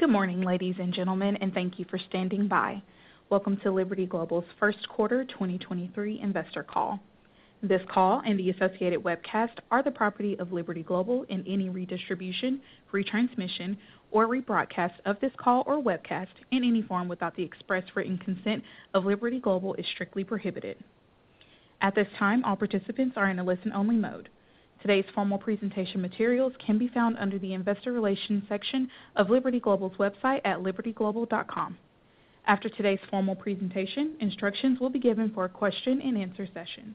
Good morning, ladies and gentlemen. Thank you for standing by. Welcome to Liberty Global's First Quarter 2023 Investor Call. This call and the associated webcast are the property of Liberty Global. Any redistribution, retransmission, or rebroadcast of this call or webcast in any form without the express written consent of Liberty Global is strictly prohibited. At this time, all participants are in a listen-only mode. Today's formal presentation materials can be found under the Investor Relations section of Liberty Global's website at libertyglobal.com. After today's formal presentation, instructions will be given for a question-and-answer session.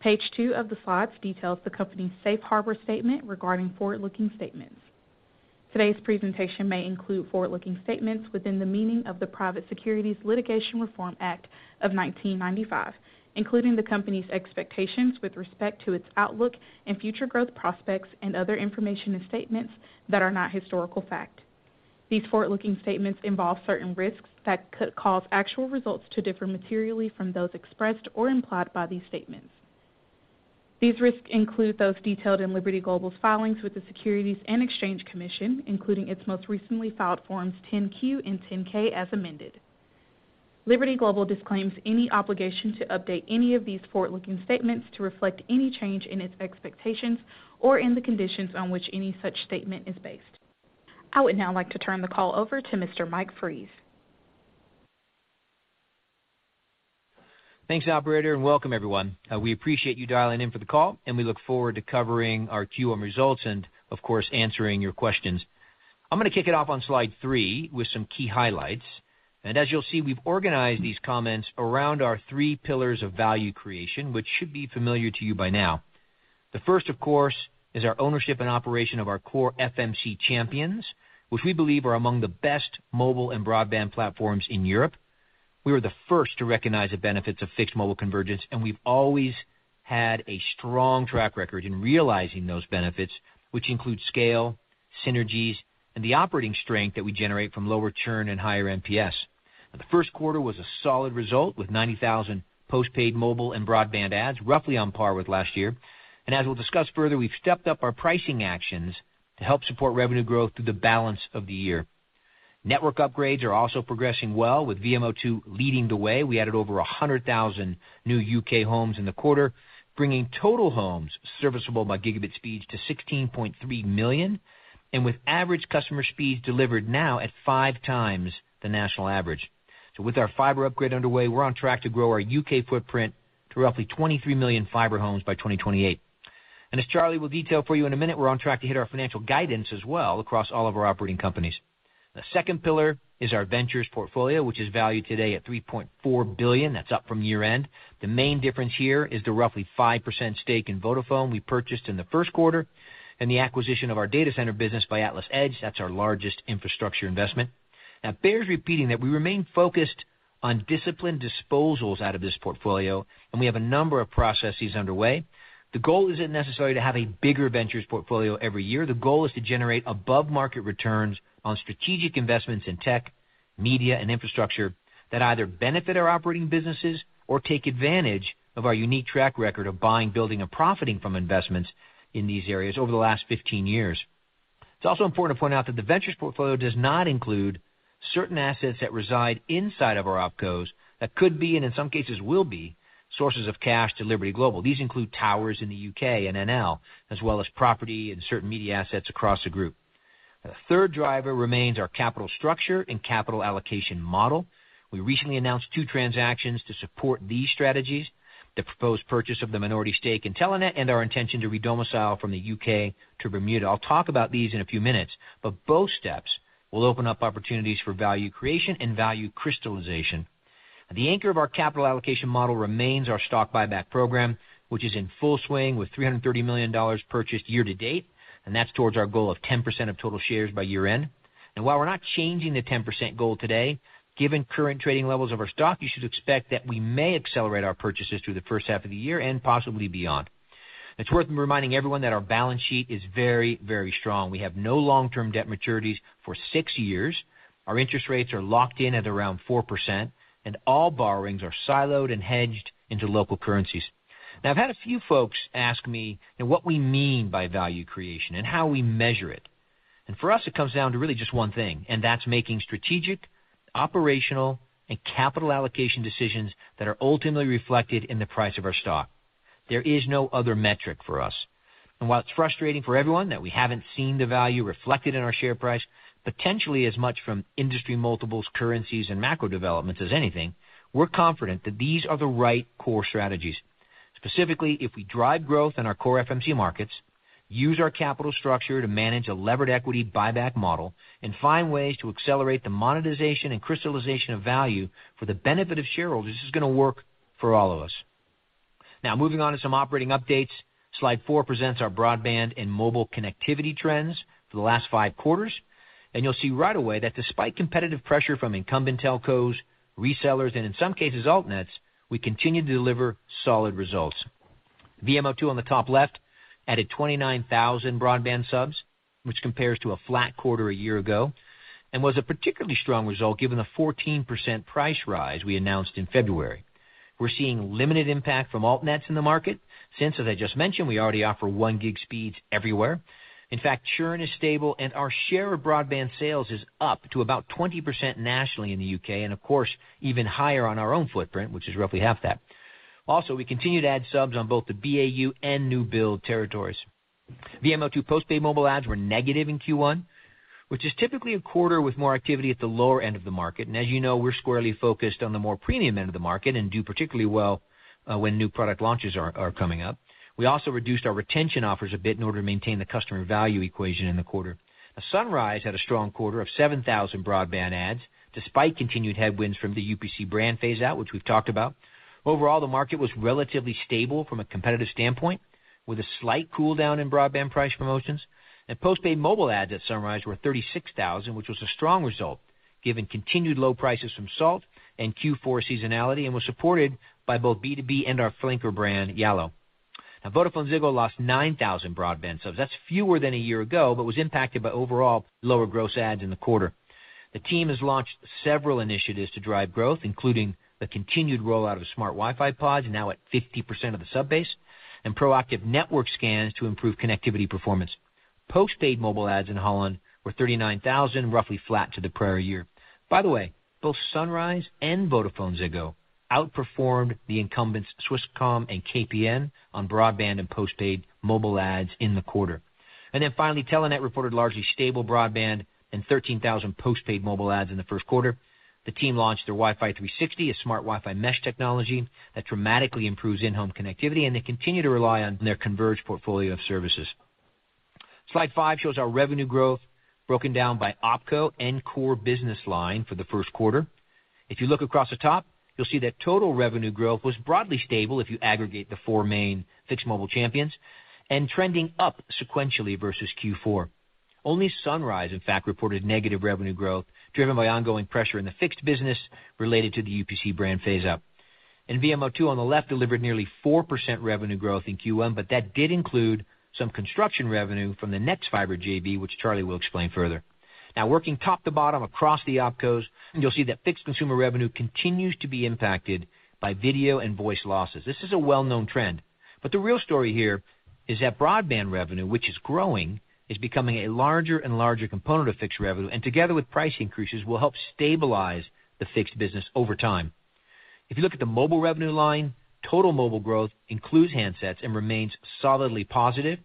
Page two of the slides details the company's safe harbor statement regarding forward-looking statements. Today's presentation may include forward-looking statements within the meaning of the Private Securities Litigation Reform Act of 1995, including the company's expectations with respect to its outlook and future growth prospects and other information and statements that are not historical fact. These forward-looking statements involve certain risks that could cause actual results to differ materially from those expressed or implied by these statements. These risks include those detailed in Liberty Global's filings with the Securities and Exchange Commission, including its most recently filed Forms 10-Q and 10-K, as amended. Liberty Global disclaims any obligation to update any of these forward-looking statements to reflect any change in its expectations or in the conditions on which any such statement is based. I would now like to turn the call over to Mr. Mike Fries. Thanks, operator, welcome everyone. We appreciate you dialing in for the call, and we look forward to covering our Q1 results and of course, answering your questions. I'm gonna kick it off on slide three with some key highlights. As you'll see, we've organized these comments around our three pillars of value creation, which should be familiar to you by now. The first, of course, is our ownership and operation of our core FMC champions, which we believe are among the best mobile and broadband platforms in Europe. We were the first to recognize the benefits of fixed mobile convergence, and we've always had a strong track record in realizing those benefits, which include scale, synergies, and the operating strength that we generate from lower churn and higher NPS. The first quarter was a solid result with 90,000 postpaid mobile and broadband adds, roughly on par with last year. As we'll discuss further, we've stepped up our pricing actions to help support revenue growth through the balance of the year. Network upgrades are also progressing well with VMO2 leading the way. We added over 100,000 new UK homes in the quarter, bringing total homes serviceable by gigabit speeds to 16.3 million, and with average customer speeds delivered now at 5x the national average. With our fiber upgrade underway, we're on track to grow our UK footprint to roughly 23 million fiber homes by 2028. As Charlie will detail for you in a minute, we're on track to hit our financial guidance as well across all of our operating companies. The second pillar is our ventures portfolio, which is valued today at $3.4 billion. That's up from year-end. The main difference here is the roughly 5% stake in Vodafone we purchased in the first quarter and the acquisition of our data center business by AtlasEdge. That's our largest infrastructure investment. It bears repeating that we remain focused on disciplined disposals out of this portfolio, and we have a number of processes underway. The goal isn't necessarily to have a bigger ventures portfolio every year. The goal is to generate above market returns on strategic investments in tech, media, and infrastructure that either benefit our operating businesses or take advantage of our unique track record of buying, building, and profiting from investments in these areas over the last 15 years. It's also important to point out that the ventures portfolio does not include certain assets that reside inside of our OpCos that could be, and in some cases will be, sources of cash to Liberty Global. These include towers in the UK and NL, as well as property and certain media assets across the group. The third driver remains our capital structure and capital allocation model. We recently announced two transactions to support these strategies. The proposed purchase of the minority stake in Telenet, and our intention to redomicile from the UK to Bermuda. Both steps will open up opportunities for value creation and value crystallization. The anchor of our capital allocation model remains our stock buyback program, which is in full swing with $330 million purchased year to date, that's towards our goal of 10% of total shares by year-end. While we're not changing the 10% goal today, given current trading levels of our stock, you should expect that we may accelerate our purchases through the first half of the year and possibly beyond. It's worth reminding everyone that our balance sheet is very, very strong. We have no long-term debt maturities for six years. Our interest rates are locked in at around 4%, and all borrowings are siloed and hedged into local currencies. I've had a few folks ask me what we mean by value creation and how we measure it. For us, it comes down to really just one thing, and that's making strategic, operational, and capital allocation decisions that are ultimately reflected in the price of our stock. There is no other metric for us. While it's frustrating for everyone that we haven't seen the value reflected in our share price, potentially as much from industry multiples, currencies, and macro developments as anything, we're confident that these are the right core strategies. Specifically, if we drive growth in our core FMC markets, use our capital structure to manage a levered equity buyback model, and find ways to accelerate the monetization and crystallization of value for the benefit of shareholders, this is gonna work for all of us. Moving on to some operating updates. Slide four presents our broadband and mobile connectivity trends for the last five quarters. You'll see right away that despite competitive pressure from incumbent telcos, resellers, and in some cases, altnets, we continue to deliver solid results. VMO2 on the top left added 29,000 broadband subs, which compares to a flat quarter a year ago and was a particularly strong result given the 14% price rise we announced in February. We're seeing limited impact from altnets in the market since, as I just mentioned, we already offer 1 Gig speeds everywhere. In fact, churn is stable and our share of broadband sales is up to about 20% nationally in the U.K. and of course, even higher on our own footprint, which is roughly half that. Also, we continue to add subs on both the BAU and new build territories. VMO2 postpaid mobile ads were negative in Q1, which is typically a quarter with more activity at the lower end of the market. As you know, we're squarely focused on the more premium end of the market and do particularly well when new product launches are coming up. We also reduced our retention offers a bit in order to maintain the customer value equation in the quarter. Sunrise had a strong quarter of 7,000 broadband adds, despite continued headwinds from the UPC brand phase out, which we've talked about. Overall, the market was relatively stable from a competitive standpoint, with a slight cooldown in broadband price promotions. Postpaid mobile ads at Sunrise were 36,000, which was a strong result given continued low prices from Salt and Q4 seasonality and was supported by both B2B and our flanker brand, yallo. VodafoneZiggo lost 9,000 broadband subs. That's fewer than a year ago, but was impacted by overall lower gross adds in the quarter. The team has launched several initiatives to drive growth, including the continued rollout of smart Wi-Fi pods, now at 50% of the sub base, and proactive network scans to improve connectivity performance. Postpaid mobile ads in Holland were 39,000, roughly flat to the prior year. By the way, both Sunrise and VodafoneZiggo outperformed the incumbents Swisscom and KPN on broadband and postpaid mobile ads in the quarter. Finally, Telenet reported largely stable broadband and 13,000 postpaid mobile ads in the first quarter. The team launched their Wi-Fi 360, a smart Wi-Fi mesh technology that dramatically improves in-home connectivity, and they continue to rely on their converged portfolio of services. Slide five shows our revenue growth broken down by OpCo and core business line for the first quarter. If you look across the top, you'll see that total revenue growth was broadly stable if you aggregate the four main fixed mobile champions and trending up sequentially versus Q4. Only Sunrise, in fact, reported negative revenue growth driven by ongoing pressure in the fixed business related to the UPC brand phase out. VMO2 on the left delivered nearly 4% revenue growth in Q1, but that did include some construction revenue from the nexfibre JV, which Charlie will explain further. Working top to bottom across the OpCos, you'll see that fixed consumer revenue continues to be impacted by video and voice losses. This is a well-known trend, but the real story here is that broadband revenue, which is growing, is becoming a larger and larger component of fixed revenue, and together with price increases, will help stabilize the fixed business over time. If you look at the mobile revenue line, total mobile growth includes handsets and remains solidly positive.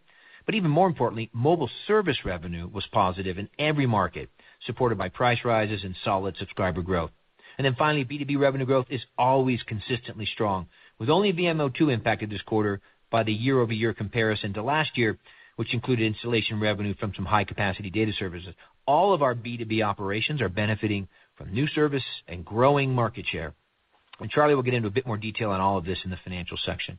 Even more importantly, mobile service revenue was positive in every market, supported by price rises and solid subscriber growth. Finally, B2B revenue growth is always consistently strong, with only VMO2 impacted this quarter by the YoY comparison to last year, which included installation revenue from some high-capacity data services. All of our B2B operations are benefiting from new service and growing market share. Charlie will get into a bit more detail on all of this in the financial section.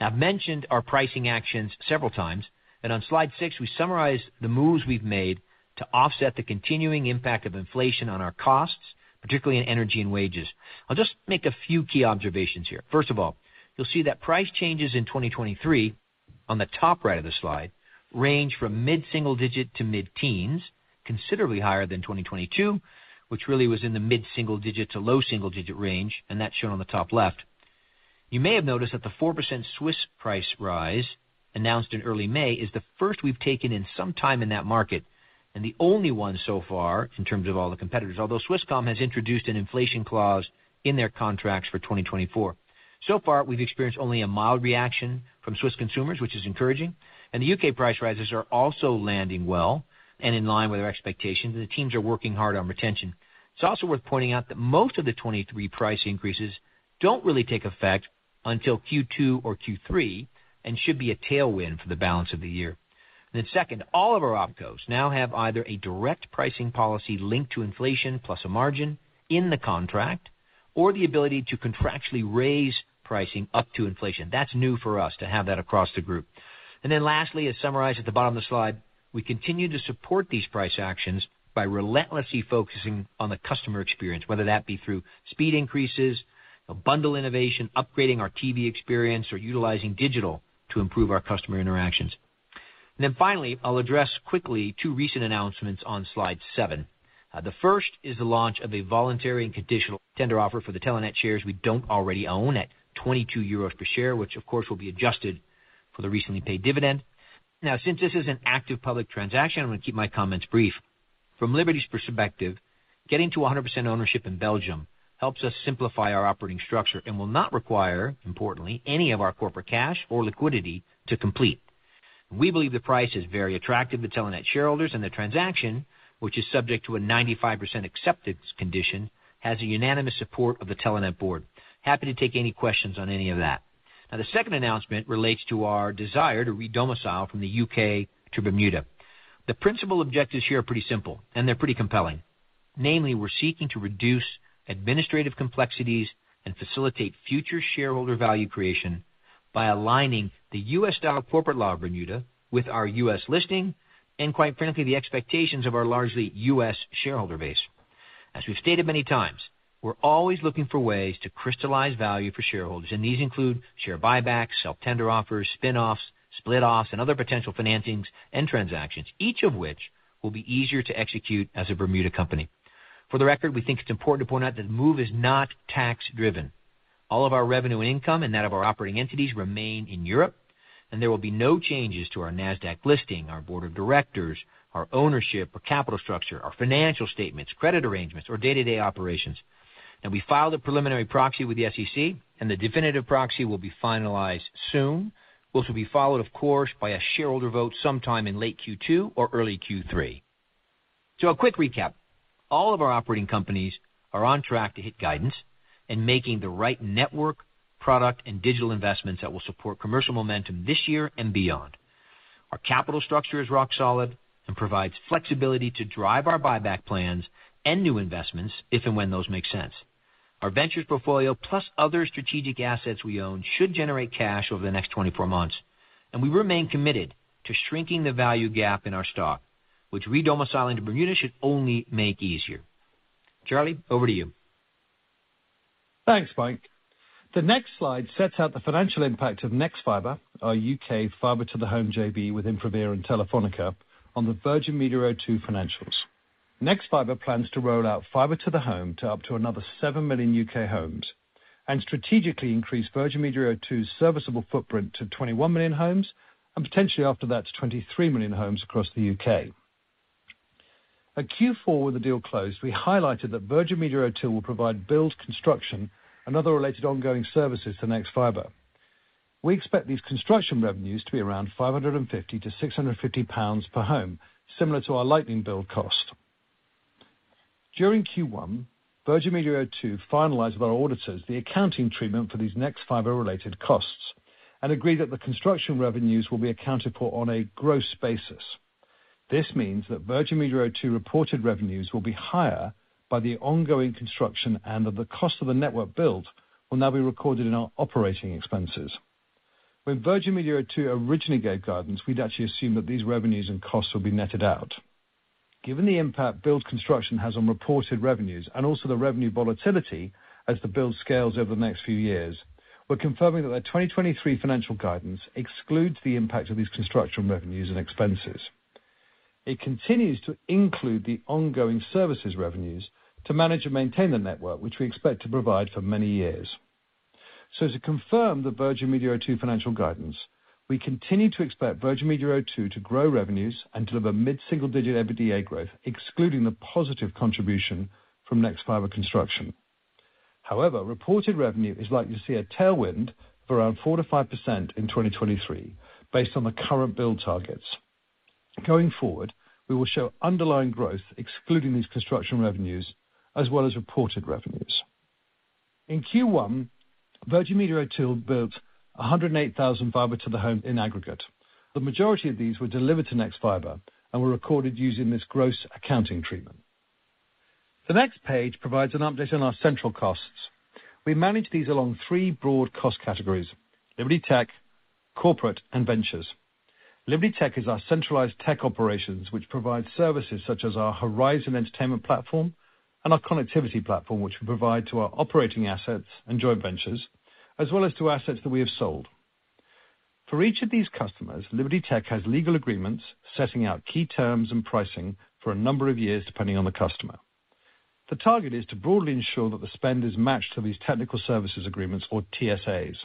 Now, I've mentioned our pricing actions several times, and on slide six, we summarize the moves we've made to offset the continuing impact of inflation on our costs, particularly in energy and wages. I'll just make a few key observations here. First of all, you'll see that price changes in 2023 on the top right of the slide range from mid-single digit to mid-teens, considerably higher than 2022, which really was in the mid-single digit to low single digit range, and that's shown on the top left. You may have noticed that the 4% Swiss price rise announced in early May is the first we've taken in some time in that market and the only one so far in terms of all the competitors. Although Swisscom has introduced an inflation clause in their contracts for 2024. So far, we've experienced only a mild reaction from Swiss consumers, which is encouraging. The U.K. price rises are also landing well and in line with our expectations, and the teams are working hard on retention. It's also worth pointing out that most of the 23 price increases don't really take effect until Q2 or Q3 and should be a tailwind for the balance of the year. Second, all of our OpCos now have either a direct pricing policy linked to inflation plus a margin in the contract or the ability to contractually raise pricing up to inflation. That's new for us to have that across the group. Lastly, as summarized at the bottom of the slide, we continue to support these price actions by relentlessly focusing on the customer experience, whether that be through speed increases, bundle innovation, upgrading our TV experience, or utilizing digital to improve our customer interactions. Finally, I'll address quickly two recent announcements on slide seven. The first is the launch of a voluntary and conditional tender offer for the Telenet shares we don't already own at 22 euros per share, which of course will be adjusted for the recently paid dividend. Since this is an active public transaction, I'm going to keep my comments brief. From Liberty's perspective, getting to 100% ownership in Belgium helps us simplify our operating structure and will not require, importantly, any of our corporate cash or liquidity to complete. We believe the price is very attractive to Telenet shareholders, and the transaction, which is subject to a 95% acceptance condition, has the unanimous support of the Telenet board. Happy to take any questions on any of that. The second announcement relates to our desire to redomicile from the U.K. to Bermuda. The principal objectives here are pretty simple, and they're pretty compelling. Namely, we're seeking to reduce administrative complexities and facilitate future shareholder value creation by aligning the US dollar corporate law of Bermuda with our U.S. listing and quite frankly, the expectations of our largely U.S. shareholder base. As we've stated many times, we're always looking for ways to crystallize value for shareholders, and these include share buybacks, self-tender offers, spin-offs, split-offs, and other potential financings and transactions, each of which will be easier to execute as a Bermuda company. For the record, we think it's important to point out that the move is not tax driven. All of our revenue income and that of our operating entities remain in Europe, and there will be no changes to our Nasdaq listing, our board of directors, our ownership or capital structure, our financial statements, credit arrangements, or day-to-day operations. We filed a preliminary proxy with the SEC, and the definitive proxy will be finalized soon, which will be followed, of course, by a shareholder vote sometime in late Q2 or early Q3. A quick recap. All of our operating companies are on track to hit guidance and making the right network, product, and digital investments that will support commercial momentum this year and beyond. Our capital structure is rock solid and provides flexibility to drive our buyback plans and new investments if and when those make sense. Our ventures portfolio, plus other strategic assets we own, should generate cash over the next 24 months. We remain committed to shrinking the value gap in our stock, which re-domiciling to Bermuda should only make easier. Charlie, over to you. Thanks, Mike. The next slide sets out the financial impact of nexfibre, our U.K. fiber to the home JV with InfraVia and Telefónica on the Virgin Media O2 financials. Nexfibre plans to roll out fiber to the home to up to another 7 million U.K. homes and strategically increase Virgin Media O2's serviceable footprint to 21 million homes, and potentially after that, to 23 million homes across the U.K. At Q4, with the deal closed, we highlighted that Virgin Media O2 will provide build construction and other related ongoing services to nexfibre. We expect these construction revenues to be around 550-650 pounds per home, similar to our Lightning build cost. During Q1, Virgin Media O2 finalized with our auditors the accounting treatment for these nexfibre-related costs and agreed that the construction revenues will be accounted for on a gross basis. This means that Virgin Media O2 reported revenues will be higher by the ongoing construction and that the cost of the network build will now be recorded in our operating expenses. When Virgin Media O2 originally gave guidance, we'd actually assumed that these revenues and costs will be netted out. Given the impact build construction has on reported revenues and also the revenue volatility as the build scales over the next few years, we're confirming that our 2023 financial guidance excludes the impact of these construction revenues and expenses. It continues to include the ongoing services revenues to manage and maintain the network, which we expect to provide for many years. To confirm the Virgin Media O2 financial guidance, we continue to expect Virgin Media O2 to grow revenues and deliver mid-single-digit EBITDA growth, excluding the positive contribution from nexfibre construction. However, reported revenue is likely to see a tailwind of around 4%-5% in 2023 based on the current build targets. Going forward, we will show underlying growth excluding these construction revenues as well as reported revenues. In Q1, Virgin Media O2 built 108,000 fiber to the home in aggregate. The majority of these were delivered to nexfibre and were recorded using this gross accounting treatment. The next page provides an update on our central costs. We manage these along three broad cost categories: Liberty Tech, Corporate, and Ventures. Liberty Tech is our centralized tech operations, which provide services such as our Horizon entertainment platform and our connectivity platform, which we provide to our operating assets and joint ventures as well as to assets that we have sold. For each of these customers, Liberty Tech has legal agreements setting out key terms and pricing for a number of years, depending on the customer. The target is to broadly ensure that the spend is matched to these technical services agreements or TSAs.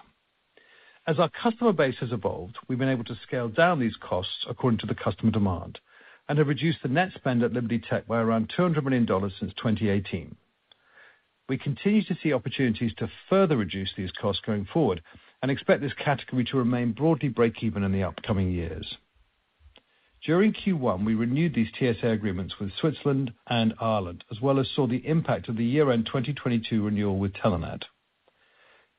As our customer base has evolved, we've been able to scale down these costs according to the customer demand and have reduced the net spend at Liberty Tech by around $200 million since 2018. We continue to see opportunities to further reduce these costs going forward and expect this category to remain broadly break even in the upcoming years. During Q1, we renewed these TSA agreements with Switzerland and Ireland, as well as saw the impact of the year-end 2022 renewal with Telenet.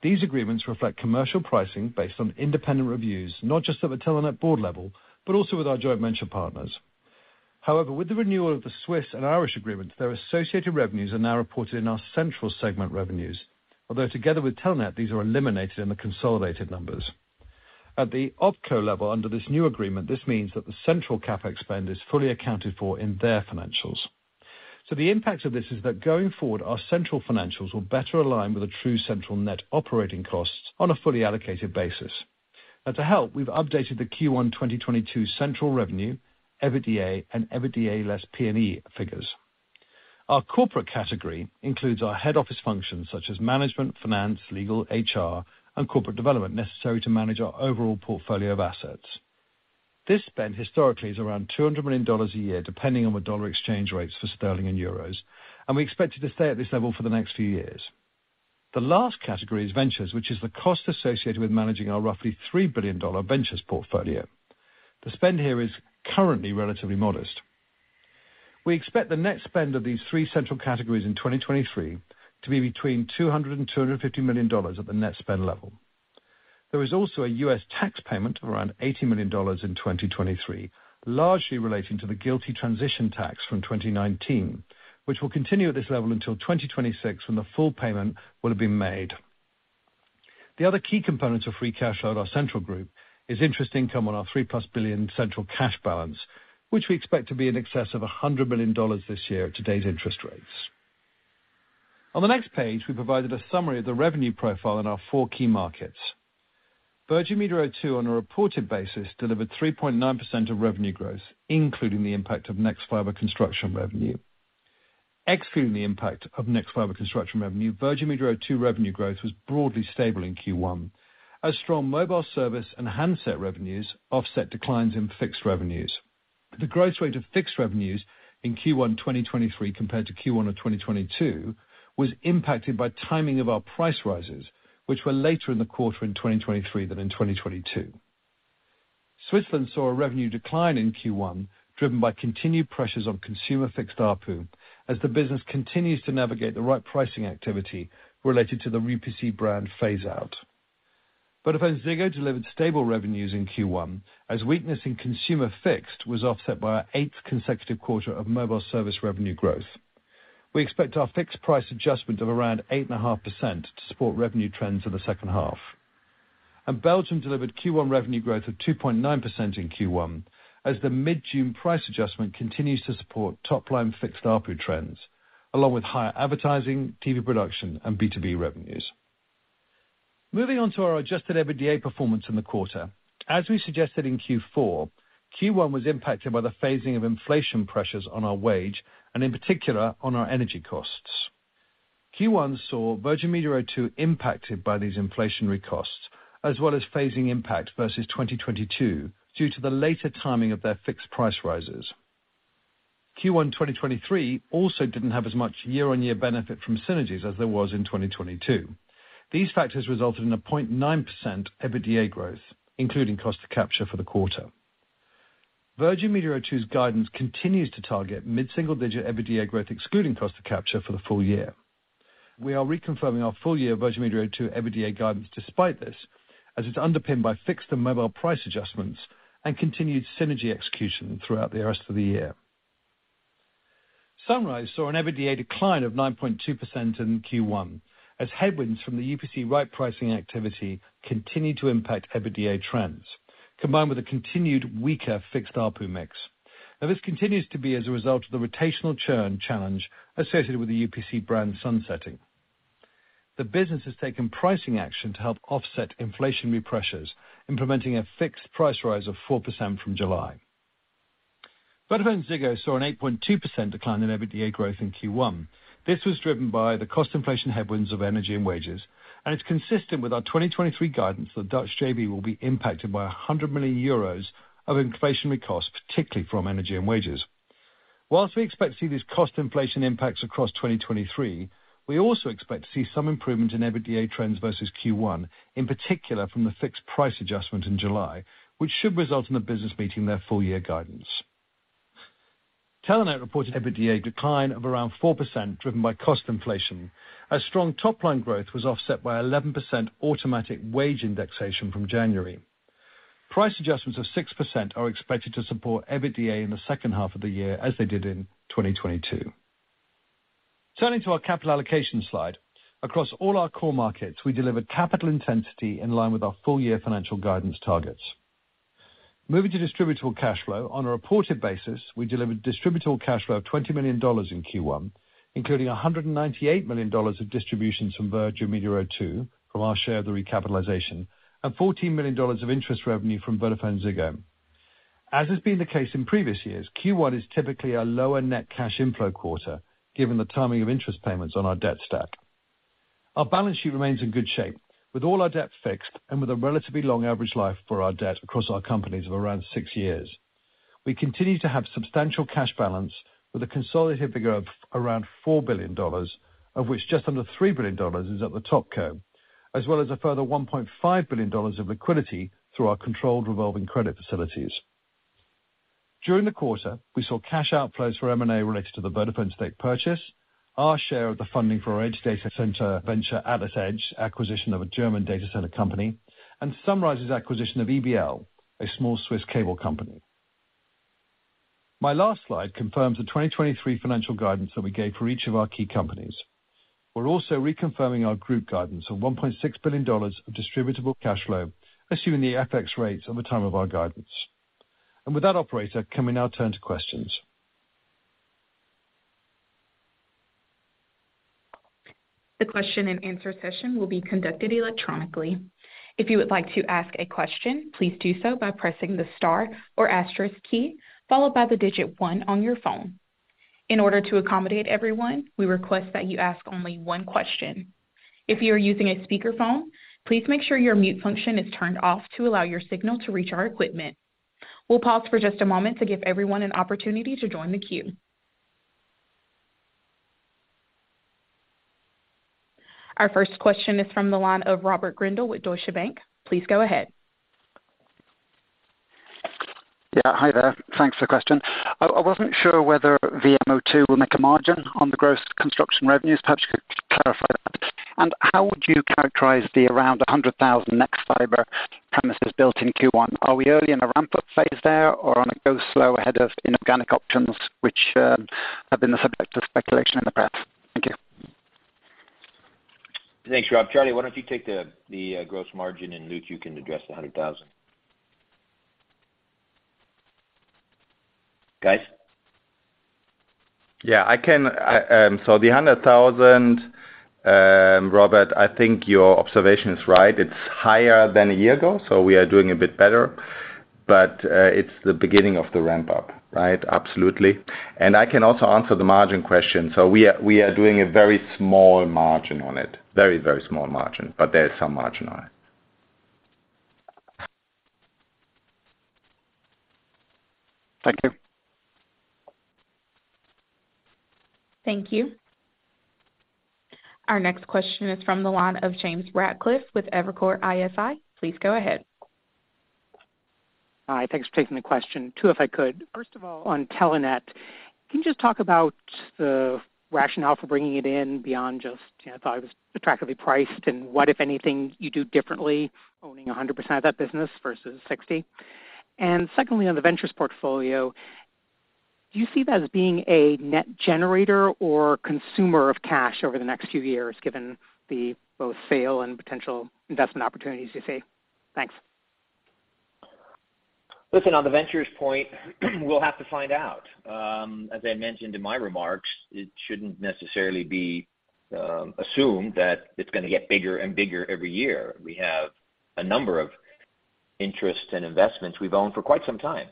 These agreements reflect commercial pricing based on independent reviews, not just at the Telenet board level, but also with our joint venture partners. With the renewal of the Swiss and Irish agreements, their associated revenues are now reported in our central segment revenues. Together with Telenet, these are eliminated in the consolidated numbers. At the OpCo level, under this new agreement, this means that the central CapEx spend is fully accounted for in their financials. The impact of this is that going forward, our central financials will better align with the true central net operating costs on a fully allocated basis. To help, we've updated the Q1 2022 central revenue, EBITDA and EBITDA less P&E figures. Our corporate category includes our head office functions such as management, finance, legal, HR, and corporate development necessary to manage our overall portfolio of assets. This spend historically is around $200 million a year, depending on the dollar exchange rates for sterling and euros, and we expect it to stay at this level for the next few years. The last category is Ventures, which is the cost associated with managing our roughly $3 billion ventures portfolio. The spend here is currently relatively modest. We expect the net spend of these three central categories in 2023 to be between $200 million and $250 million at the net spend level. There is also a U.S. tax payment of around $80 million in 2023, largely relating to the GILTI transition tax from 2019, which will continue at this level until 2026 when the full payment will have been made. The other key components of free cash flow at our central group is interest income on our 3+ billion central cash balance, which we expect to be in excess of $100 million this year at today's interest rates. On the next page, we provided a summary of the revenue profile in our four key markets. Virgin Media O2, on a reported basis, delivered 3.9% of revenue growth, including the impact of nexfibre construction revenue. Excluding the impact of nexfibre construction revenue, Virgin Media O2 revenue growth was broadly stable in Q1, as strong mobile service and handset revenues offset declines in fixed revenues. The growth rate of fixed revenues in Q1 2023 compared to Q1 of 2022 was impacted by timing of our price rises, which were later in the quarter in 2023 than in 2022. Switzerland saw a revenue decline in Q1, driven by continued pressures on consumer fixed ARPU as the business continues to navigate the right pricing activity related to the UPC brand phase out. VodafoneZiggo delivered stable revenues in Q1 as weakness in consumer fixed was offset by our eighth consecutive quarter of mobile service revenue growth. We expect our fixed price adjustment of around 8.5% to support revenue trends in the second half. Belgium delivered Q1 revenue growth of 2.9% in Q1 as the mid-June price adjustment continues to support top line fixed ARPU trends, along with higher advertising, TV production, and B2B revenues. Moving on to our Adjusted EBITDA performance in the quarter. As we suggested in Q4, Q1 was impacted by the phasing of inflation pressures on our wage and in particular on our energy costs. Q1 saw Virgin Media O2 impacted by these inflationary costs, as well as phasing impact versus 2022 due to the later timing of their fixed price rises. Q1 2023 also didn't have as much year-on-year benefit from synergies as there was in 2022. These factors resulted in a 0.9% EBITDA growth, including cost to capture for the quarter. Virgin Media O2's guidance continues to target mid-single-digit EBITDA growth, excluding cost to capture for the full year. We are reconfirming our full year Virgin Media O2 EBITDA guidance despite this, as it's underpinned by fixed and mobile price adjustments and continued synergy execution throughout the rest of the year. Sunrise saw an EBITDA decline of 9.2% in Q1 as headwinds from the UPC right pricing activity continued to impact EBITDA trends, combined with a continued weaker fixed ARPU mix. This continues to be as a result of the rotational churn challenge associated with the UPC brand sunsetting. The business has taken pricing action to help offset inflationary pressures, implementing a fixed price rise of 4% from July. VodafoneZiggo saw an 8.2% decline in EBITDA growth in Q1. This was driven by the cost inflation headwinds of energy and wages. It's consistent with our 2023 guidance that Dutch JV will be impacted by 100 million euros of inflationary costs, particularly from energy and wages. While we expect to see these cost inflation impacts across 2023, we also expect to see some improvement in EBITDA trends versus Q1, in particular from the fixed price adjustment in July, which should result in the business meeting their full year guidance. Telenet reported EBITDA decline of around 4%, driven by cost inflation as strong top line growth was offset by 11% automatic wage indexation from January. Price adjustments of 6% are expected to support EBITDA in the second half of the year, as they did in 2022. Turning to our capital allocation slide. Across all our core markets, we delivered capital intensity in line with our full year financial guidance targets. Moving to distributable cash flow. On a reported basis, we delivered distributable cash flow of $20 million in Q1, including $198 million of distributions from Virgin Media O2 from our share of the recapitalization, and $14 million of interest revenue from VodafoneZiggo. As has been the case in previous years, Q1 is typically a lower net cash inflow quarter given the timing of interest payments on our debt stack. Our balance sheet remains in good shape with all our debt fixed and with a relatively long average life for our debt across our companies of around 6 years. We continue to have substantial cash balance with a consolidated figure of around $4 billion, of which just under $3 billion is at the OpCo, as well as a further $1.5 billion of liquidity through our controlled revolving credit facilities. During the quarter, we saw cash outflows for M&A related to the Vodafone stake purchase, our share of the funding for our AtlasEdge acquisition of a German Datacenter Company, and Sunrise's acquisition of EBL, a small Swiss cable company. My last slide confirms the 2023 financial guidance that we gave for each of our key companies. We're also reconfirming our group guidance of $1.6 billion of distributable cash flow, assuming the FX rates at the time of our guidance. With that, operator, can we now turn to questions? The Q&A session will be conducted electronically. If you would like to ask a question, please do so by pressing the star or asterisk key followed by the one on your phone. In order to accommodate everyone, we request that you ask only one question. If you are using a speakerphone, please make sure your mute function is turned off to allow your signal to reach our equipment. We'll pause for just a moment to give everyone an opportunity to join the queue. Our first question is from the line of Robert Grindle with Deutsche Bank. Please go ahead. Yeah. Hi there. Thanks for the question. I wasn't sure whether VMO2 will make a margin on the gross construction revenues. Perhaps you could clarify that. How would you characterize the around 100,000 nexfibre premises built in Q1? Are we early in a ramp-up phase there or on a go slow ahead of inorganic options which have been the subject of speculation in the press? Thank you. Thanks, Rob. Charlie, why don't you take the gross margin, and Lutz, you can address the $100,000. Guys? Yeah, I can, the 100,000, Robert, I think your observation is right. It's higher than a year ago. We are doing a bit better. It's the beginning of the ramp up, right? Absolutely. I can also answer the margin question. We are doing a very small margin on it. Very, very small margin, but there is some margin on it. Thank you. Thank you. Our next question is from the line of James Ratcliffe with Evercore ISI. Please go ahead. Hi, thanks for taking the question. Two, if I could. First of all, on Telenet, can you just talk about the rationale for bringing it in beyond just, you know, thought it was attractively priced, and what, if anything, you do differently owning a 100% of that business versus 60? And secondly, on the ventures portfolio, do you see that as being a net generator or consumer of cash over the next few years, given the both sale and potential investment opportunities you see? Thanks. Listen, on the ventures point, we'll have to find out. As I mentioned in my remarks, it shouldn't necessarily be assumed that it's gonna get bigger and bigger every year. We have a number of interests and investments we've owned for quite some time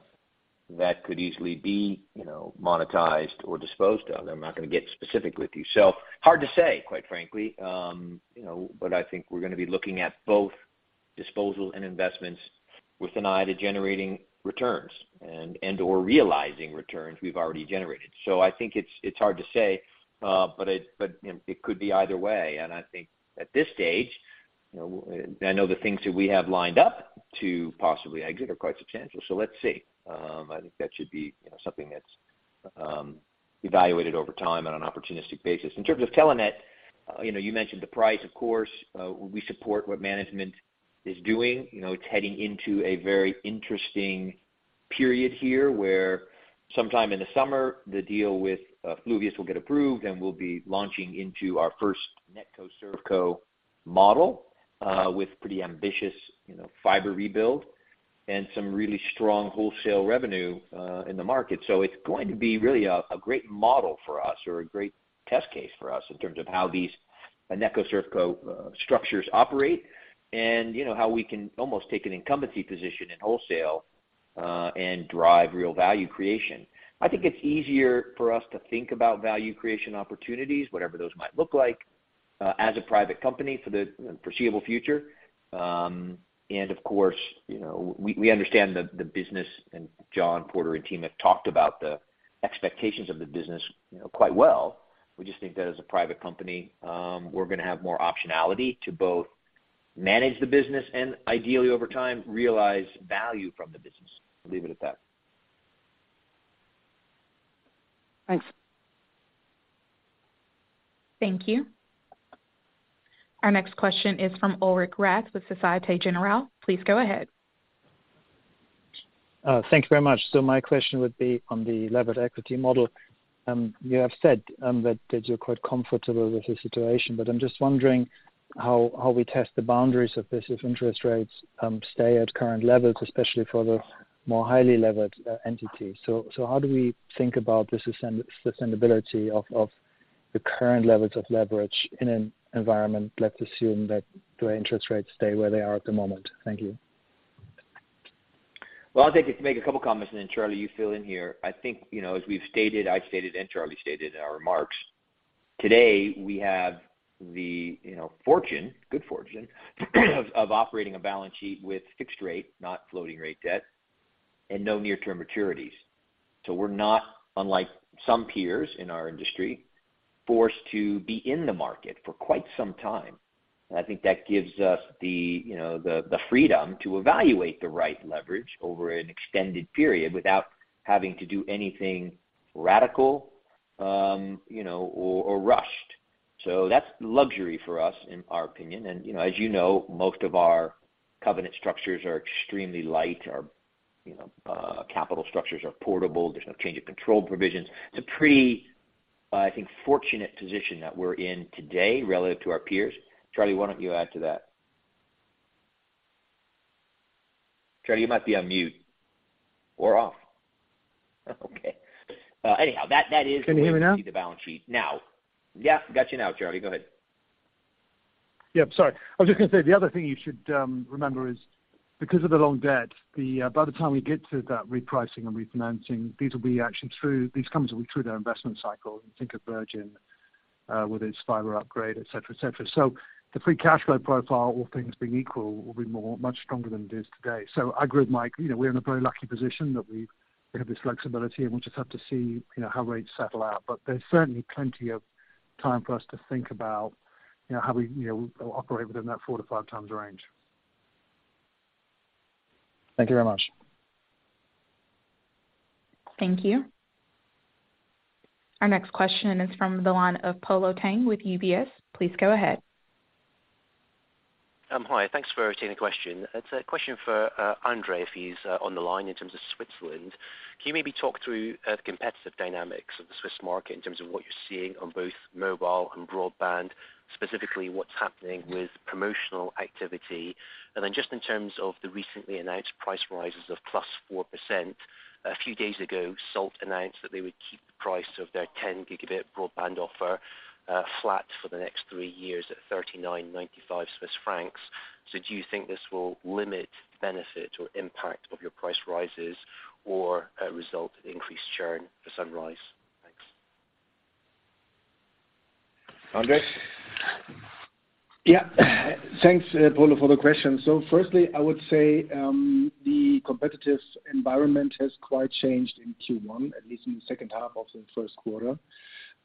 that could easily be, you know, monetized or disposed of. I'm not gonna get specific with you. Hard to say, quite frankly. You know, I think we're gonna be looking at both disposal and investments with an eye to generating returns and/or realizing returns we've already generated. I think it's hard to say, but it, you know, it could be either way. I think at this stage, you know, I know the things that we have lined up to possibly exit are quite substantial. Let's see. I think that should be, you know, something that's evaluated over time on an opportunistic basis. In terms of Telenet, you know, you mentioned the price, of course. We support what management is doing. You know, it's heading into a very interesting period here, where sometime in the summer, the deal with Fluvius will get approved, and we'll be launching into our first NetCo, ServCo model with pretty ambitious, you know, fiber rebuild and some really strong wholesale revenue in the market. It's going to be really a great model for us or a great test case for us in terms of how these NetCo, ServCo structures operate. You know, how we can almost take an incumbency position in wholesale and drive real value creation. I think it's easier for us to think about value creation opportunities, whatever those might look like, as a private company for the foreseeable future. Of course, you know, we understand the business, and John Porter and team have talked about the expectations of the business, you know, quite well. We just think that as a private company, we're gonna have more optionality to both manage the business and ideally, over time, realize value from the business. I'll leave it at that. Thanks. Thank you. Our next question is from Ulrich Rathe with Société Générale. Please go ahead. Thank you very much. My question would be on the levered equity model. You have said that you're quite comfortable with the situation, but I'm just wondering how we test the boundaries of this if interest rates stay at current levels, especially for the more highly levered entities. How do we think about the sustainability of the current levels of leverage in an environment, let's assume, that the interest rates stay where they are at the moment? Thank you. I'll take it to make a couple comments and then Charlie, you fill in here. I think, you know, as we've stated, I've stated and Charlie stated in our remarks, today, we have the, you know, fortune, good fortune, of operating a balance sheet with fixed rate, not floating rate debt, and no near-term maturities. We're not, unlike some peers in our industry, forced to be in the market for quite some time. I think that gives us the, you know, the freedom to evaluate the right leverage over an extended period without having to do anything radical, you know, or rushed. That's luxury for us, in our opinion. You know, as you know, most of our covenant structures are extremely light. Our, you know, capital structures are portable. There's no change of control provisions. It's a pretty, I think, fortunate position that we're in today relative to our peers. Charlie, why don't you add to that? Charlie, you might be on mute or off. Okay. Anyhow, that is. Can you hear me now? the way we see the balance sheet. Now. Yeah, got you now, Charlie. Go ahead. Sorry. I was just going to say the other thing you should remember is because of the long debt, by the time we get to that repricing and refinancing, these will be actually through, these companies will be through their investment cycle. Think of Virgin, with its fiber upgrade, et cetera, et cetera. The free cash flow profile, all things being equal, will be much stronger than it is today. I agree with Mike, you know, we're in a very lucky position that we have this flexibility, and we'll just have to see, you know, how rates settle out. There's certainly plenty of time for us to think about, you know, how we, you know, operate within that 4 to 5x range. Thank you very much. Thank you. Our next question is from the line of Polo Tang with UBS. Please go ahead. Hi, thanks for taking the question. It's a question for André, if he's on the line in terms of Switzerland. Can you maybe talk through the competitive dynamics of the Swiss market in terms of what you're seeing on both mobile and broadband, specifically what's happening with promotional activity? Just in terms of the recently announced price rises of +4%, a few days ago, Salt announced that they would keep the price of their 10 Gb broadband offer flat for the next three years at 39.95 Swiss francs. Do you think this will limit the benefit or impact of your price rises or result in increased churn for Sunrise? Thanks. André? Yeah. Thanks, Polo for the question. Firstly, I would say, the competitive environment has quite changed in Q1, at least in the second half of the first quarter.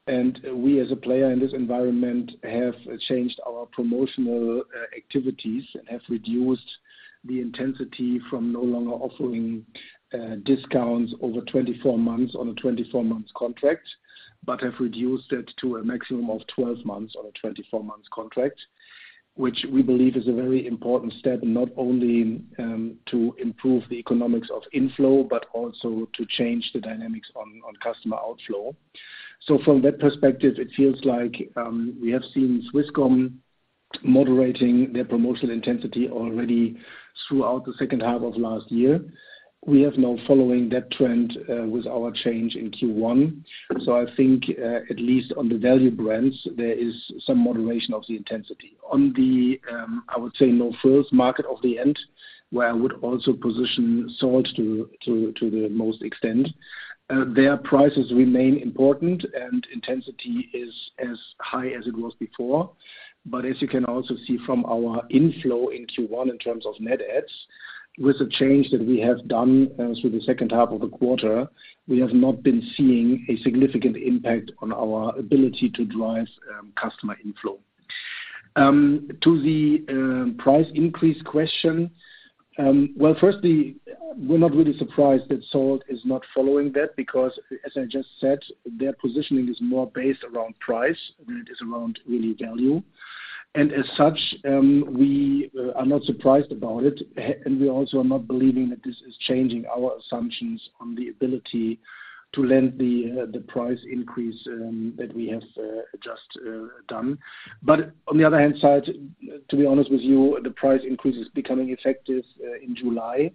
We as a player in this environment have changed our promotional activities and have reduced the intensity from no longer offering discounts over 24 months on a 24-month contract, but have reduced it to a maximum of 12 months on a 24-month contract, which we believe is a very important step, not only to improve the economics of inflow, but also to change the dynamics on customer outflow. From that perspective, it feels like, we have seen Swisscom moderating their promotional intensity already throughout the second half of last year. We have now following that trend, with our change in Q1. I think, at least on the value brands, there is some moderation of the intensity. On the, I would say no first market of the end, where I would also position Salt to the most extent, their prices remain important and intensity is as high as it was before. As you can also see from our inflow in Q1 in terms of net adds, with the change that we have done through the second half of the quarter, we have not been seeing a significant impact on our ability to drive customer inflow. To the price increase question. Well, firstly, we're not really surprised that Salt is not following that because as I just said, their positioning is more based around price than it is around really value. As such, we are not surprised about it. We also are not believing that this is changing our assumptions on the ability to lend the price increase that we have just done. On the other hand side, to be honest with you, the price increase is becoming effective in July.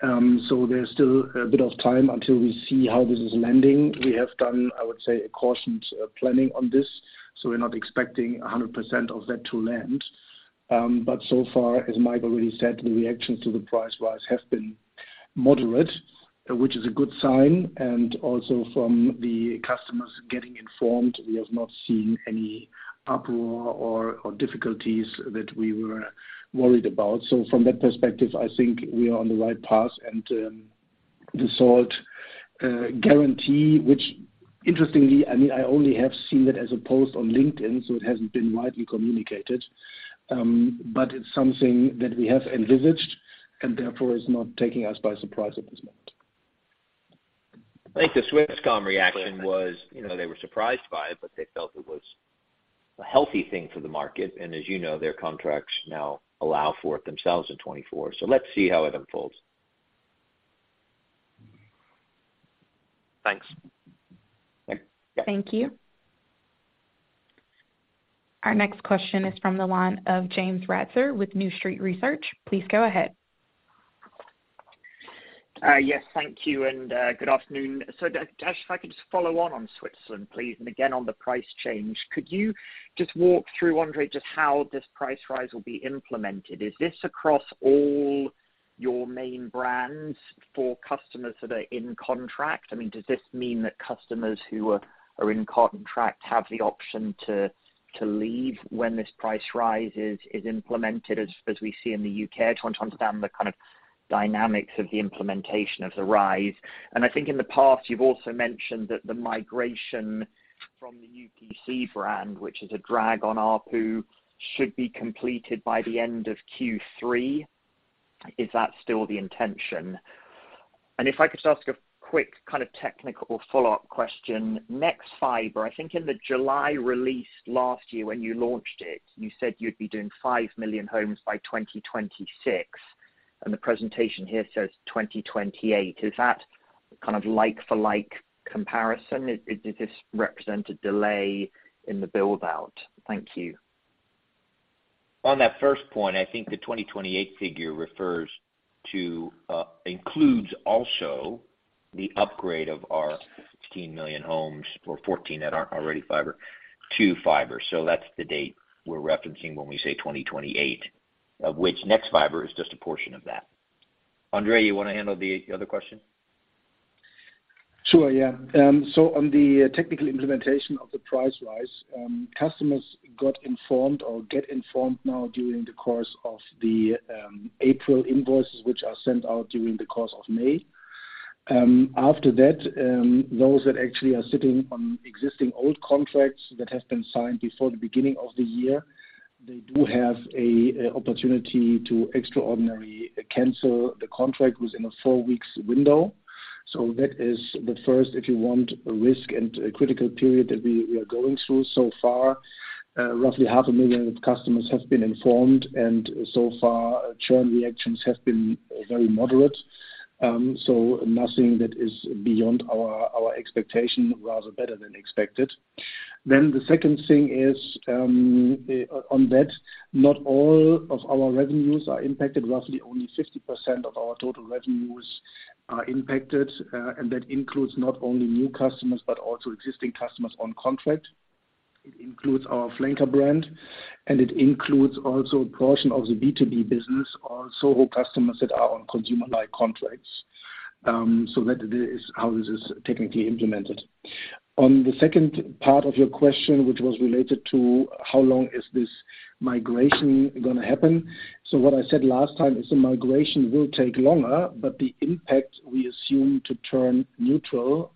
There's still a bit of time until we see how this is landing. We have done, I would say, a cautious planning on this, so we're not expecting 100% of that to land. So far, as Mike already said, the reactions to the price rise have been moderate, which is a good sign. Also from the customers getting informed, we have not seen any uproar or difficulties that we were worried about. From that perspective, I think we are on the right path. The Salt guarantee, which interestingly, I mean, I only have seen it as a post on LinkedIn, so it hasn't been widely communicated, but it's something that we have envisaged, and therefore it's not taking us by surprise at this moment. I think the Swisscom reaction was, you know, they were surprised by it, but they felt it was a healthy thing for the market. As you know, their contracts now allow for it themselves in 2024. Let's see how it unfolds. Thanks. Yeah. Thank you. Our next question is from the line of James Ratzer with New Street Research. Please go ahead. Yes, thank you, good afternoon. Just if I could just follow on Switzerland, please, and again on the price change. Could you just walk through, André, just how this price rise will be implemented? Is this across all your main brands for customers that are in contract? I mean, does this mean that customers who are in contract have the option to leave when this price rise is implemented as we see in the U.K.? I just want to understand the kind of dynamics of the implementation of the rise. I think in the past, you've also mentioned that the migration from the UPC brand, which is a drag on ARPU, should be completed by the end of Q3. Is that still the intention? If I could just ask a quick kind of technical follow-up question. Nexfibre, I think in the July release last year when you launched it, you said you'd be doing 5 million homes by 2026, and the presentation here says 2028. Is that kind of like for like comparison? Is this represent a delay in the build-out? Thank you. On that first point, I think the 2028 figure refers to, includes also the upgrade of our 16 million homes or 14 that are already fiber to fiber. That's the date we're referencing when we say 2028, of which nexfibre is just a portion of that. André, you want to handle the other question? Sure, yeah. On the technical implementation of the price rise, customers got informed or get informed now during the course of the April invoices, which are sent out during the course of May. After that, those that actually are sitting on existing old contracts that have been signed before the beginning of the year, they do have a opportunity to extraordinary cancel the contract within a four weeks window. That is the first, if you want, a risk and a critical period that we are going through so far. Roughly half a million customers have been informed. So far churn reactions have been very moderate. Nothing that is beyond our expectation, rather better than expected. The second thing is, on that not all of our revenues are impacted. Roughly only 50% of our total revenues are impacted, and that includes not only new customers, but also existing customers on contract. It includes our flanker brand. It includes also a portion of the B2B business, our SOHO customers that are on consumer-like contracts. That is how this is technically implemented. On the second part of your question, which was related to how long is this migration gonna happen. What I said last time is the migration will take longer, but the impact we assume to turn neutral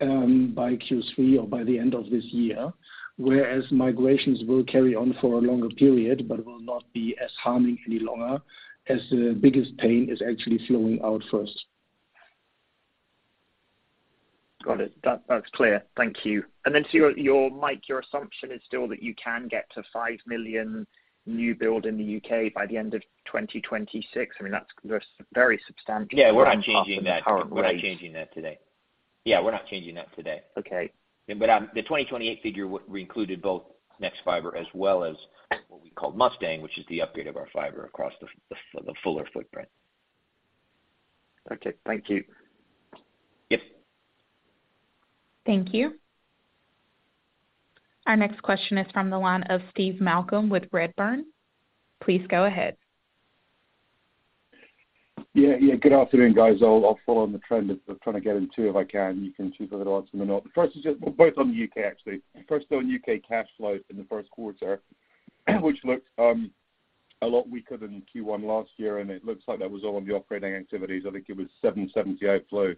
by Q3 or by the end of this year. Whereas migrations will carry on for a longer period but will not be as harming any longer as the biggest pain is actually flowing out first. Got it. That, that's clear. Thank you. Your, Mike, your assumption is still that you can get to 5 million new build in the U.K. by the end of 2026. I mean, that's very substantial current rates. Yeah. We're not changing that. We're not changing that today. Yeah, we're not changing that today. Okay. The 2028 figure included both nexfibre as well as what we call Mustang, which is the upgrade of our fiber across the fuller footprint. Okay. Thank you. Yep. Thank you. Our next question is from the line of Steve Malcolm with Redburn. Please go ahead. Yeah. Good afternoon, guys. I'll follow on the trend of trying to get in two if I can. You can choose whether to answer them or not. First is just, well, both on the U.K. actually. On U.K. cash flow in the first quarter, which looked a lot weaker than Q1 last year, it looks like that was all on the operating activities. I think it was $770 outflow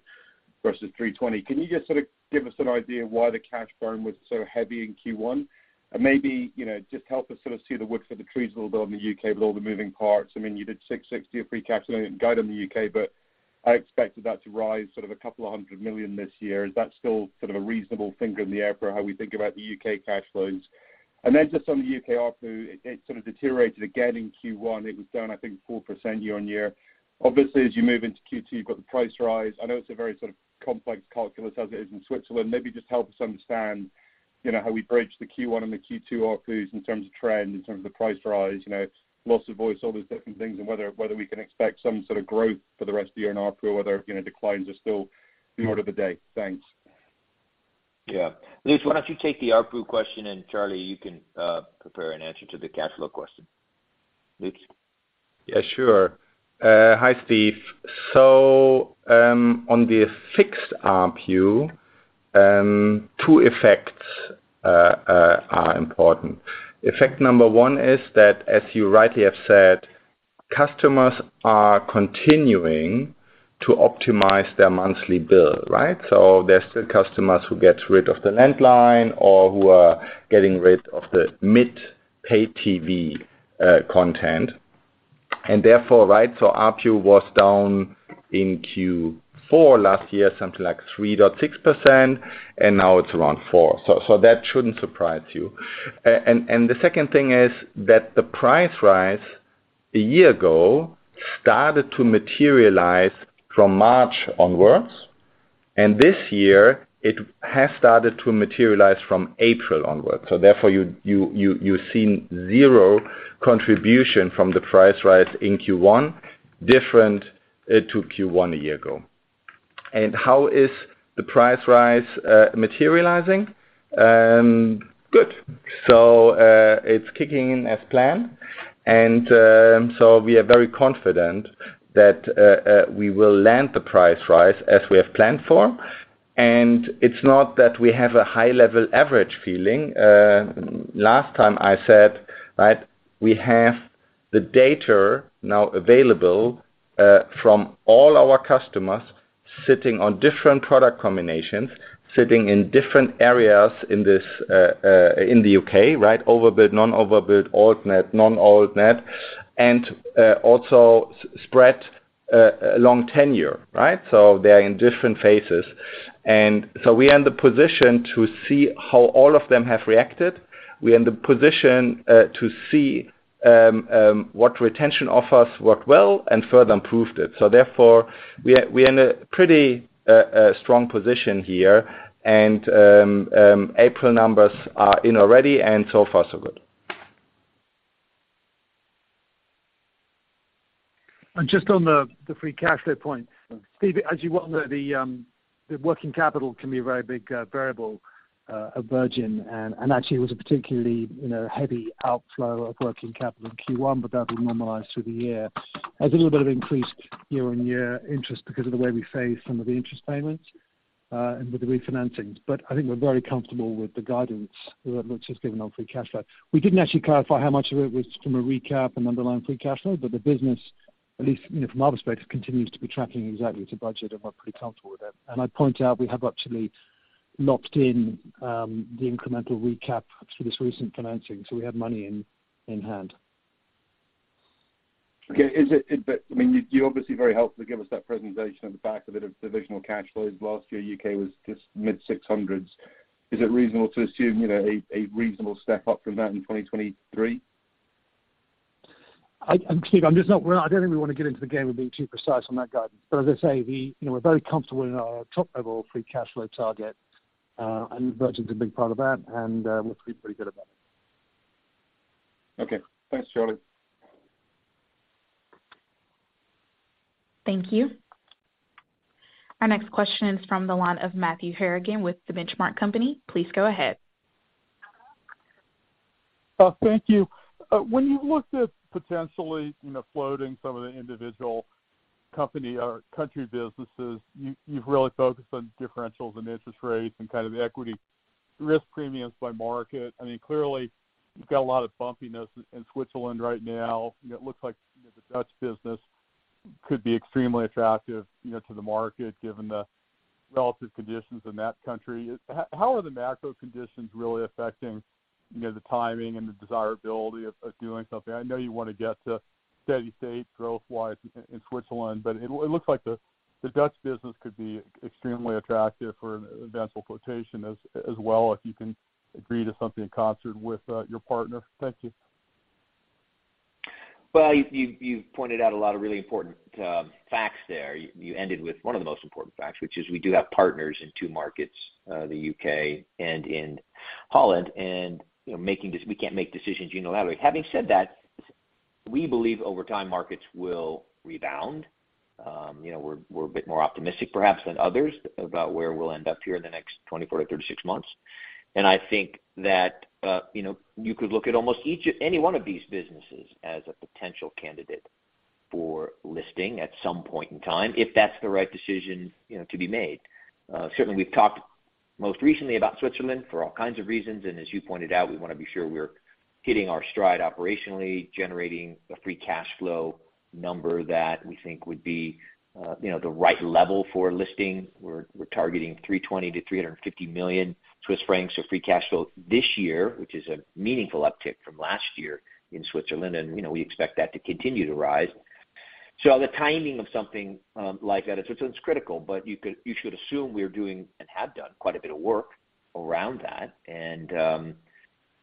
versus $320. Can you just sort of give us an idea why the cash burn was so heavy in Q1? Maybe, you know, just help us sort of see the woods for the trees a little bit on the U.K. with all the moving parts. I mean, you did 660 of free cash flow guide on the UK. I expected that to rise sort of GBP a couple of hundred million this year. Is that still sort of a reasonable finger in the air for how we think about the UK cash flows? Just on the UK ARPU, it sort of deteriorated again in Q1. It was down I think 4% year-on-year. Obviously, as you move into Q2, you've got the price rise. I know it's a very sort of complex calculus as it is in Switzerland. Maybe just help us understand, you know, how we bridge the Q1 and the Q2 ARPUs in terms of trend, in terms of the price rise, you know, loss of voice, all those different things, and whether we can expect some sort of growth for the rest of the year in ARPU, or whether, you know, declines are still the order of the day. Thanks. Yeah. Lutz, why don't you take the ARPU question, and Charlie you can prepare an answer to the cash flow question. Lutz? Yeah, sure. Hi, Steve. On the fixed ARPU, two effects are important. Effect number one is that, as you rightly have said, customers are continuing to optimize their monthly bill, right? There's still customers who get rid of the landline or who are getting rid of the mid-pay TV content, and therefore, right? ARPU was down in Q4 last year, something like 3.6%, and now it's around 4%. That shouldn't surprise you. The second thing is that the price rise a year ago started to materialize from March onwards, and this year it has started to materialize from April onwards. Therefore, you've seen zero contribution from the price rise in Q1, different to Q1 a year ago. And how is the price rise materializing? Good. It's kicking in as planned, we are very confident that we will land the price rise as we have planned for. It's not that we have a high level average feeling. Last time I said, right, we have the data now available from all our customers sitting on different product combinations, sitting in different areas in this in the UK, right? Overbilled, non-overbilled, Altnet, non-Altnet, also spread long tenure, right? They are in different phases. We are in the position to see how all of them have reacted. We are in the position to see what retention offers worked well and further improved it. Therefore, we are in a pretty strong position here, and April numbers are in already, and so far, so good. Just on the free cash flow point. Steve, as you well know, the working capital can be a very big variable of Virgin, and actually it was a particularly, you know, heavy outflow of working capital in Q1, but that'll be normalized through the year. A little bit of increased year-on-year interest because of the way we phase some of the interest payments, and with the refinancings. I think we're very comfortable with the guidance, which is given on free cash flow. We didn't actually clarify how much of it was from a recap and underlying free cash flow. The business, at least, you know, from our perspective, continues to be tracking exactly to budget, and we're pretty comfortable with that. I point out we have actually locked in the incremental recap for this recent financing, so we have money in-hand. Okay. I mean, you obviously very helpfully gave us that presentation at the back of it of divisional cash flows. Last year, UK was just mid six hundreds. Is it reasonable to assume, you know, a reasonable step up from that in 2023? I'm, Steve, I don't think we wanna get into the game of being too precise on that guidance. As I say, we, you know, we're very comfortable in our top level free cash flow target, and Belgium's a big part of that, and we feel pretty good about it. Okay. Thanks, Charlie. Thank you. Our next question is from the line of Matthew Harrigan with The Benchmark Company. Please go ahead. Thank you. When you looked at potentially, you know, floating some of the individual company or country businesses, you've really focused on differentials in interest rates and kind of equity risk premiums by market. I mean, clearly you've got a lot of bumpiness in Switzerland right now, and it looks like the Dutch business could be extremely attractive, you know, to the market given the relative conditions in that country. How are the macro conditions really affecting, you know, the timing and the desirability of doing something? I know you wanna get to steady state growth-wise in Switzerland, but it looks like the Dutch business could be extremely attractive for an eventual quotation as well if you can agree to something in concert with your partner. Thank you. Well, you've pointed out a lot of really important facts there. You, you ended with one of the most important facts, which is we do have partners in two markets, the U.K. and in Holland. You know, we can't make decisions unilaterally. Having said that, we believe over time markets will rebound. You know, we're a bit more optimistic perhaps than others about where we'll end up here in the next 24-36 months. I think that, you know, you could look at almost any one of these businesses as a potential candidate for listing at some point in time, if that's the right decision, you know, to be made. Certainly we've talked most recently about Switzerland for all kinds of reasons, and as you pointed out, we wanna be sure we're hitting our stride operationally, generating a free cash flow number that we think would be, you know, the right level for listing. We're targeting 320 million-350 million Swiss francs of free cash flow this year, which is a meaningful uptick from last year in Switzerland. You know, we expect that to continue to rise. The timing of something like that at Switzerland's critical. You should assume we're doing, and have done, quite a bit of work around that.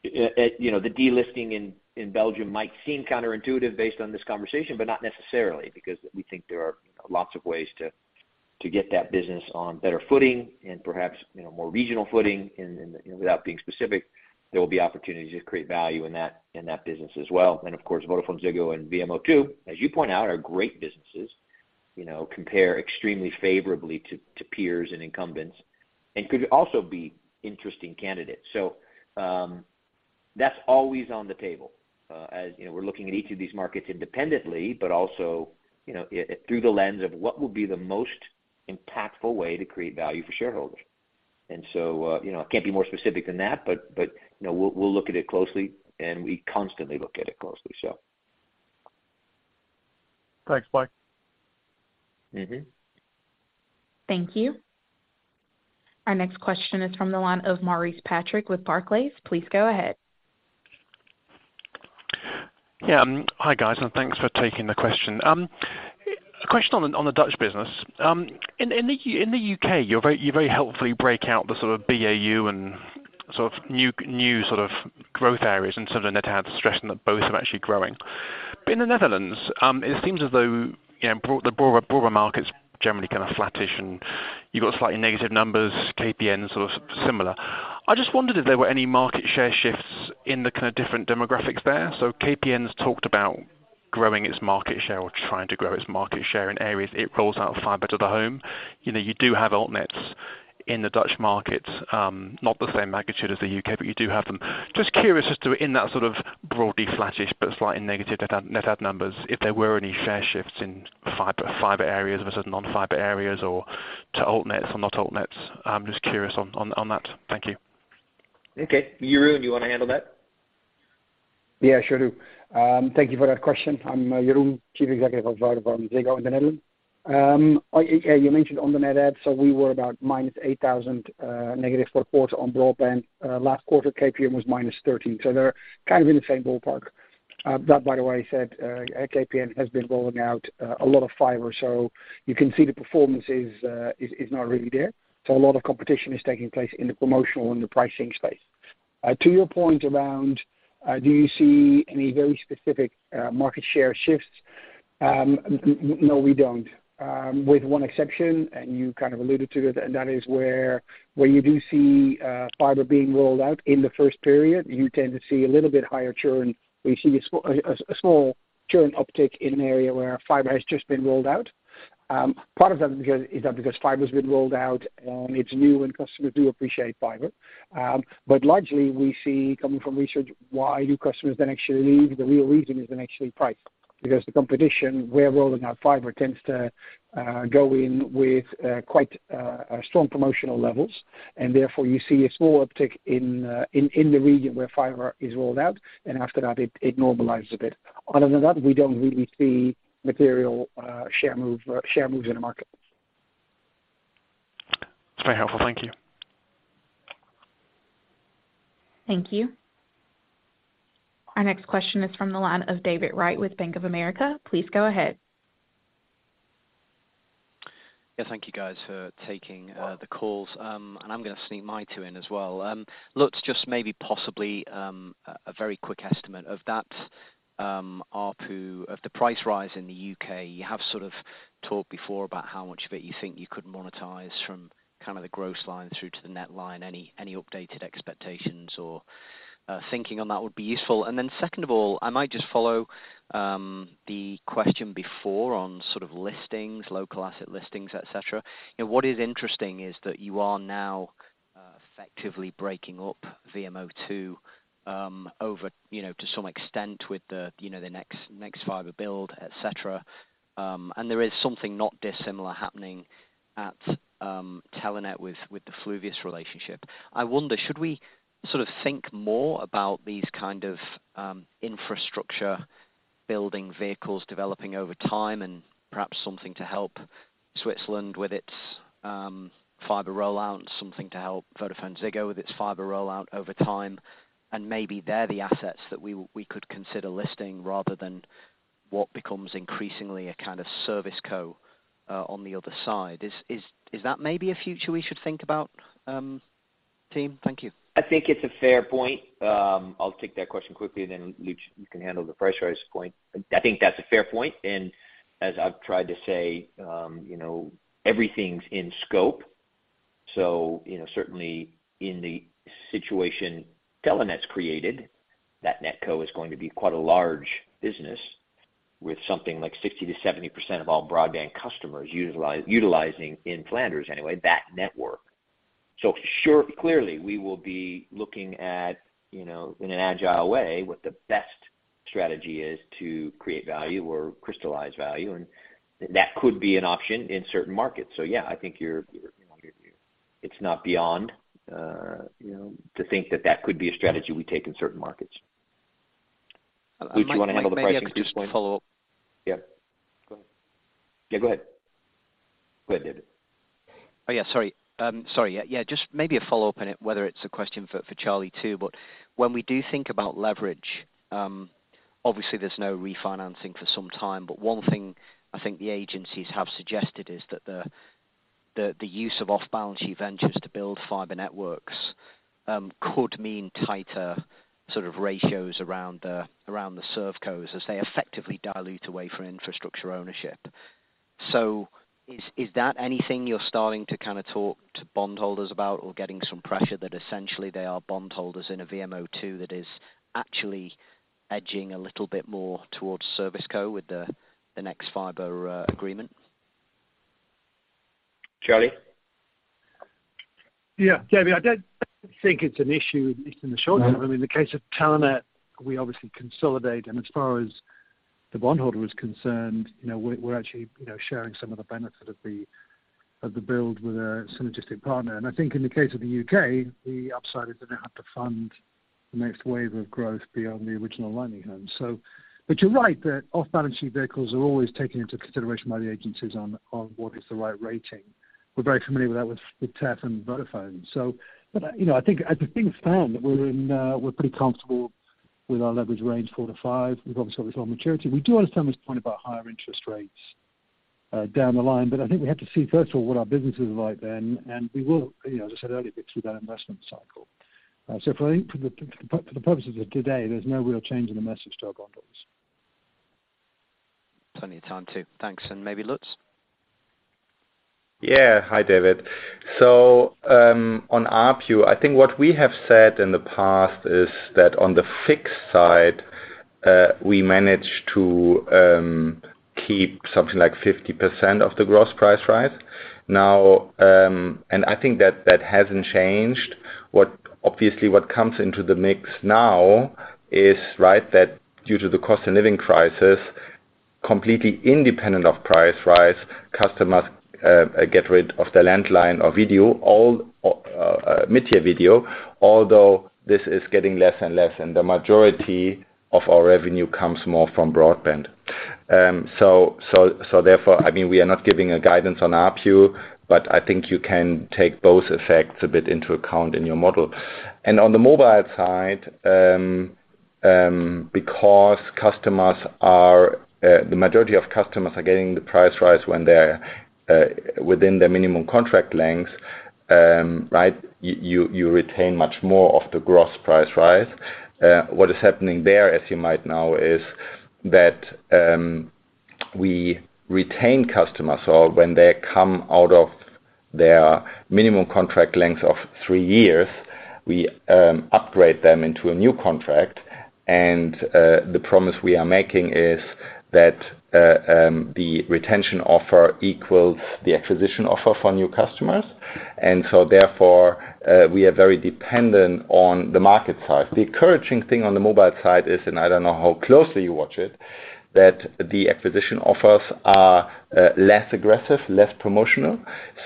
You know, the delisting in Belgium might seem counterintuitive based on this conversation, but not necessarily because we think there are lots of ways to get that business on better footing and perhaps, you know, more regional footing in, you know, without being specific, there will be opportunities to create value in that business as well. Of course, VodafoneZiggo and VMO2, as you point out, are great businesses, you know, compare extremely favorably to peers and incumbents, and could also be interesting candidates. That's always on the table. As, you know, we're looking at each of these markets independently, but also, you know, through the lens of what will be the most impactful way to create value for shareholders. You know, you know, I can't be more specific than that, but, you know, we'll look at it closely, and we constantly look at it closely. Thanks, Mike. Mm-hmm. Thank you. Our next question is from the line of Maurice Patrick with Barclays. Please go ahead. Hi, guys, thanks for taking the question. A question on the Dutch business. In the UK, you very helpfully break out the sort of BAU and sort of new sort of growth areas and some of the net add stress, that both are actually growing. In the Netherlands, it seems as though, you know, the broader markets generally kind of flattish and you've got slightly negative numbers, KPN sort of similar. I just wondered if there were any market share shifts in the kind of different demographics there. KPN's talked about growing its market share or trying to grow its market share in areas it rolls out fiber to the home. You know, you do have altnets in the Dutch markets, not the same magnitude as the U.K., but you do have them. Just curious as to in that sort of broadly flattish but slightly negative net ad numbers, if there were any share shifts in fiber areas versus non-fiber areas or to altnets from not altnets. I'm just curious on that. Thank you. Okay. Jeroen, do you wanna handle that? Yeah, sure do. Thank you for that question. I'm Jeroen, chief executive of Ziggo in the Netherlands. Yeah, you mentioned on the net adds, we were about -8,000 for quarter on broadband. Last quarter, KPN was -13, they're kind of in the same ballpark. That by the way said, KPN has been rolling out a lot of fiber you can see the performance is not really there. A lot of competition is taking place in the promotional and the pricing space. To your point around, do you see any very specific market share shifts? No, we don't. With one exception, and you kind of alluded to it, and that is where you do see fiber being rolled out in the first period, you tend to see a little bit higher churn, where you see a small churn uptick in an area where fiber has just been rolled out. Part of that is because fiber's been rolled out and it's new and customers do appreciate fiber. Largely we see coming from research, why do customers then actually leave? The real reason is then actually price. The competition, where rolling out fiber tends to go in with quite strong promotional levels, and therefore you see a small uptick in the region where fiber is rolled out, and after that it normalizes a bit. Other than that, we don't really see material, share moves in the market. That's very helpful. Thank you. Thank you. Our next question is from the line of David Wright with Bank of America. Please go ahead. Thank you guys for taking the calls. I'm gonna sneak my two in as well. Looks just maybe possibly a very quick estimate of that ARPU of the price rise in the U.K. You have sort of talked before about how much of it you think you could monetize from kind of the gross line through to the net line. Any updated expectations or thinking on that would be useful. Second of all, I might just follow the question before on sort of listings, local asset listings, et cetera. What is interesting is that you are now effectively breaking up VMO2 over to some extent with the nexfibre build, et cetera. There is something not dissimilar happening at Telenet with the Fluvius relationship. I wonder, should we sort of think more about these kind of infrastructure building vehicles developing over time and perhaps something to help Switzerland with its fiber rollout and something to help VodafoneZiggo with its fiber rollout over time, and maybe they're the assets that we could consider listing rather than what becomes increasingly a kind of ServCo on the other side? Is that maybe a future we should think about, team? Thank you. I think it's a fair point. I'll take that question quickly and then, Lutz, you can handle the price rise point. I think that's a fair point. As I've tried to say, you know, everything's in scope. You know, certainly in the situation Telenet's created, that NetCo is going to be quite a large business with something like 60%-70% of all broadband customers utilizing, in Flanders anyway, that network. Sure, clearly we will be looking at, you know, in an agile way, what the best strategy is to create value or crystallize value, and that could be an option in certain markets. Yeah, I think you're... It's not beyond, you know, to think that that could be a strategy we take in certain markets. Lutz, you wanna handle the pricing at this point? Maybe I could just follow up. Yeah. Go ahead. Yeah, go ahead. Go ahead, David. Yeah, sorry. Sorry. Just maybe a follow-up on it, whether it's a question for Charlie too, when we do think about leverage, obviously there's no refinancing for some time, one thing I think the agencies have suggested is that the use of off-balance sheet ventures to build fiber networks could mean tighter sort of ratios around the ServCos as they effectively dilute away for infrastructure ownership. Is that anything you're starting to kind of talk to bond holders about or getting some pressure that essentially they are bond holders in a VMO2 that is actually edging a little bit more towards ServCo with the nexfibre agreement? Charlie? David, I don't think it's an issue, at least in the short term. I mean, in the case of Telenet, we obviously consolidate, and as far as the bond holder is concerned, you know, we're actually, you know, sharing some of the benefit of the, of the build with a synergistic partner. I think in the case of the UK, the upside is they now have to fund the next wave of growth beyond the original landing home. But you're right that off-balancing vehicles are always taken into consideration by the agencies on what is the right rating. We're very familiar with that with TEF and Vodafone. But, you know, I think at the big span, we're in, we're pretty comfortable with our leverage range four to five. We've obviously got this whole maturity. We do understand this point about higher interest rates down the line, but I think we have to see first of all, what our businesses are like then, and we will, you know, as I said earlier, get through that investment cycle. For, I think for the purposes of today, there's no real change in the message to our bond holders. Plenty of time too. Thanks. Maybe Lutz. Hi, David. On ARPU, I think what we have said in the past is that on the fixed side, we managed to keep something like 50% of the gross price rise. I think that that hasn't changed. Obviously what comes into the mix now is, right, that due to the cost of living crisis, completely independent of price rise, customers get rid of the landline or video, all, mid-tier video, although this is getting less and less, the majority of our revenue comes more from broadband. Therefore, I mean, we are not giving a guidance on ARPU, I think you can take both effects a bit into account in your model. On the mobile side, because the majority of customers are getting the price rise when they're within their minimum contract length, right? You retain much more of the gross price rise. What is happening there, as you might know, is that we retain customers. When they come out of their minimum contract length of three years, we upgrade them into a new contract. The promise we are making is that the retention offer equals the acquisition offer for new customers. Therefore, we are very dependent on the market side. The encouraging thing on the mobile side is, and I don't know how closely you watch it, that the acquisition offers are less aggressive, less promotional,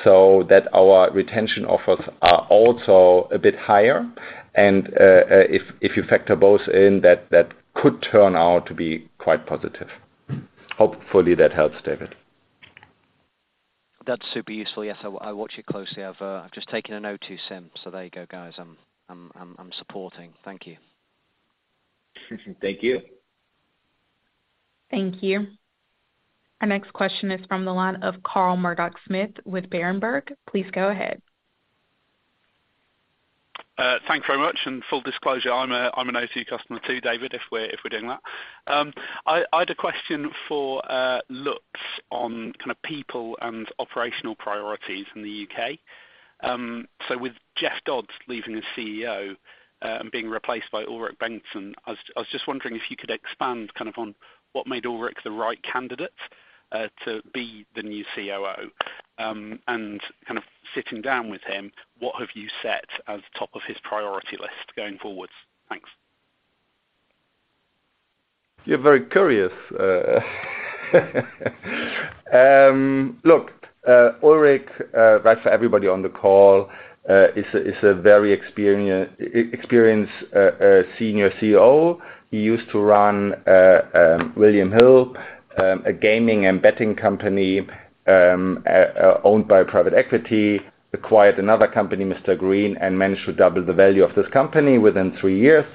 so that our retention offers are also a bit higher. If you factor both in, that could turn out to be quite positive. Hopefully that helps, David. That's super useful. Yes, I watch it closely. I've just taken an O2 SIM, there you go, guys. I'm supporting. Thank you. Thank you. Thank you. Our next question is from the line of Carl Murdock-Smith with Berenberg. Please go ahead. Thanks very much, full disclosure, I'm an O2 customer too, David, if we're doing that. I had a question for Lutz on kind of people and operational priorities in the UK. With Jeff Dodds leaving as CEO, and being replaced by Ulrik Bengtsson, I was just wondering if you could expand kind of on what made Ulrik the right candidate to be the new COO. Kind of sitting down with him, what have you set as top of his priority list going forwards? Thanks. You're very curious. Look, Ulrik, right, for everybody on the call, is a very experience senior COO. He used to run William Hill, a gaming and betting company, owned by private equity. Acquired another company, Mr Green, and managed to double the value of this company within three years.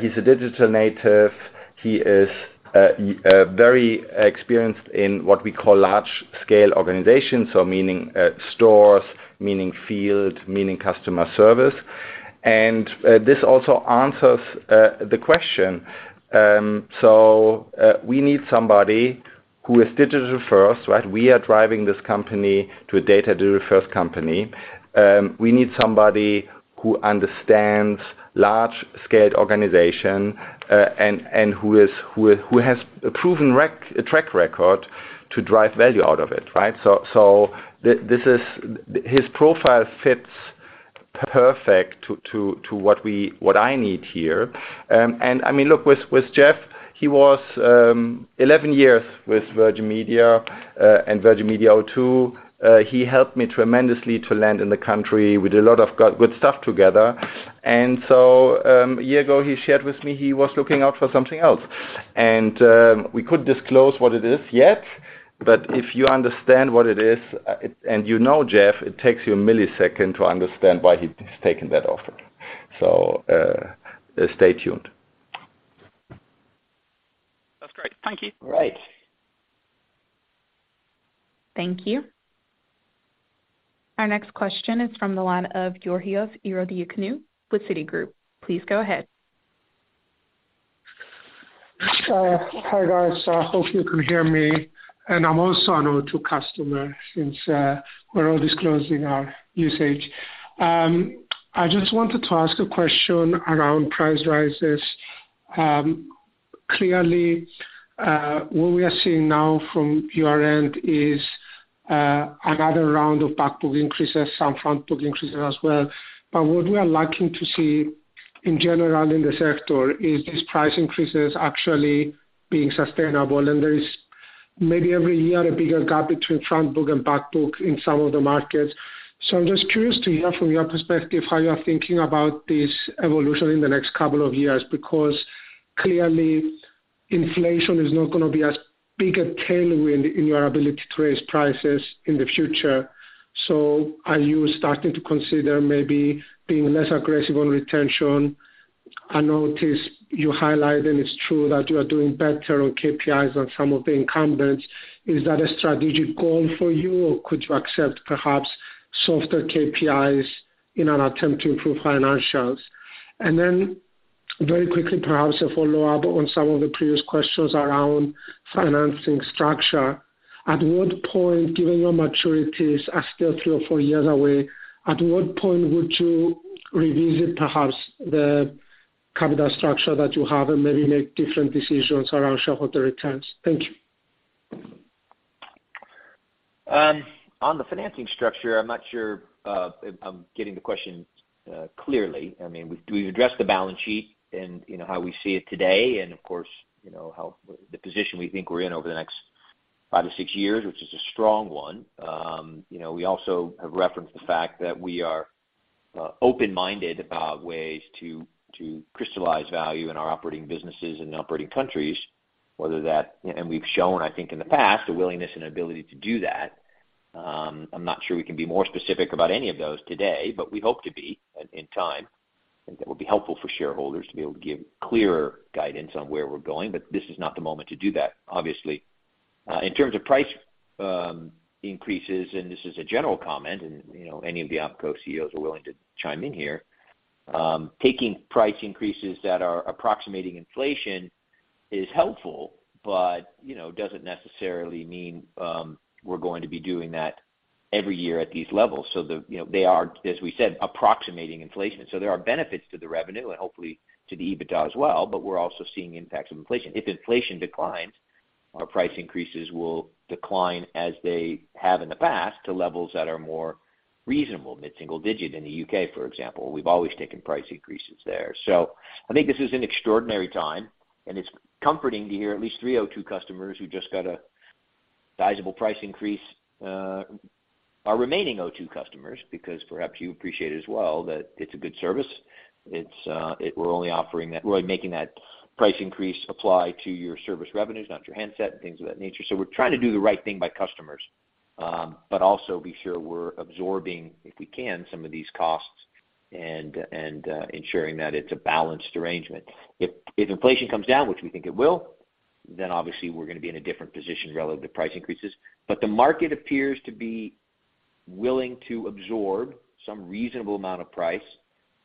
He's a digital native. He is very experienced in what we call large scale organizations, so meaning stores, meaning field, meaning customer service. This also answers the question. We need somebody who is digital first, right? We are driving this company to a data digital first company. We need somebody who understands large scaled organization, and who has a proven track record to drive value out of it, right? His profile fits perfect to what I need here. I mean, look, with Jeff, he was 11 years with Virgin Media and Virgin Media O2. He helped me tremendously to land in the country. We did a lot of good stuff together. A year ago, he shared with me he was looking out for something else. We couldn't disclose what it is yet, but if you understand what it is, and you know Jeff, it takes you a millisecond to understand why he's taken that offer. Stay tuned. That's great. Thank you. All right. Thank you. Our next question is from the line of Georgios Ierodiaconou with Citigroup. Please go ahead. Hi, guys. Hope you can hear me. I'm also an O2 customer since we're all disclosing our usage. I just wanted to ask a question around price rises. Clearly, what we are seeing now from your end is another round of back book increases, some front book increases as well. What we are liking to see in general in the sector is these price increases actually being sustainable. There is maybe every year, a bigger gap between front book and back book in some of the markets. I'm just curious to hear from your perspective, how you are thinking about this evolution in the next couple of years, because clearly, inflation is not gonna be as big a tailwind in your ability to raise prices in the future. Are you starting to consider maybe being less aggressive on retention? I noticed you highlight, and it's true that you are doing better on KPIs than some of the incumbents. Is that a strategic goal for you, or could you accept perhaps softer KPIs in an attempt to improve financials? Very quickly, perhaps a follow-up on some of the previous questions around financing structure. At what point, given your maturities are still three or four years away, at what point would you revisit perhaps the capital structure that you have and maybe make different decisions around shareholder returns? Thank you. On the financing structure, I'm not sure if I'm getting the question clearly. I mean, we've addressed the balance sheet and, you know, how we see it today and of course, you know, how the position we think we're in over the next five to six years, which is a strong one. You know, we also have referenced the fact that we are open-minded about ways to crystallize value in our operating businesses and operating countries. We've shown, I think, in the past, a willingness and ability to do that. I'm not sure we can be more specific about any of those today, but we hope to be in time. I think that would be helpful for shareholders to be able to give clearer guidance on where we're going, but this is not the moment to do that, obviously. In terms of price increases, this is a general comment and, you know, any of the OpCo CEOs are willing to chime in here. Taking price increases that are approximating inflation is helpful but, you know, doesn't necessarily mean we're going to be doing that every year at these levels. The, you know, they are, as we said, approximating inflation. There are benefits to the revenue and hopefully to the EBITDA as well, but we're also seeing impacts of inflation. If inflation declines, our price increases will decline as they have in the past to levels that are more reasonable, mid-single digit in the U.K., for example. We've always taken price increases there. I think this is an extraordinary time, and it's comforting to hear at least three O2 customers who just got a sizable price increase. Our remaining O2 customers, because perhaps you appreciate as well that it's a good service. It's, we're only making that price increase apply to your service revenues, not your handset and things of that nature. We're trying to do the right thing by customers, but also be sure we're absorbing, if we can, some of these costs and ensuring that it's a balanced arrangement. If inflation comes down, which we think it will, obviously we're gonna be in a different position relative to price increases. The market appears to be willing to absorb some reasonable amount of price,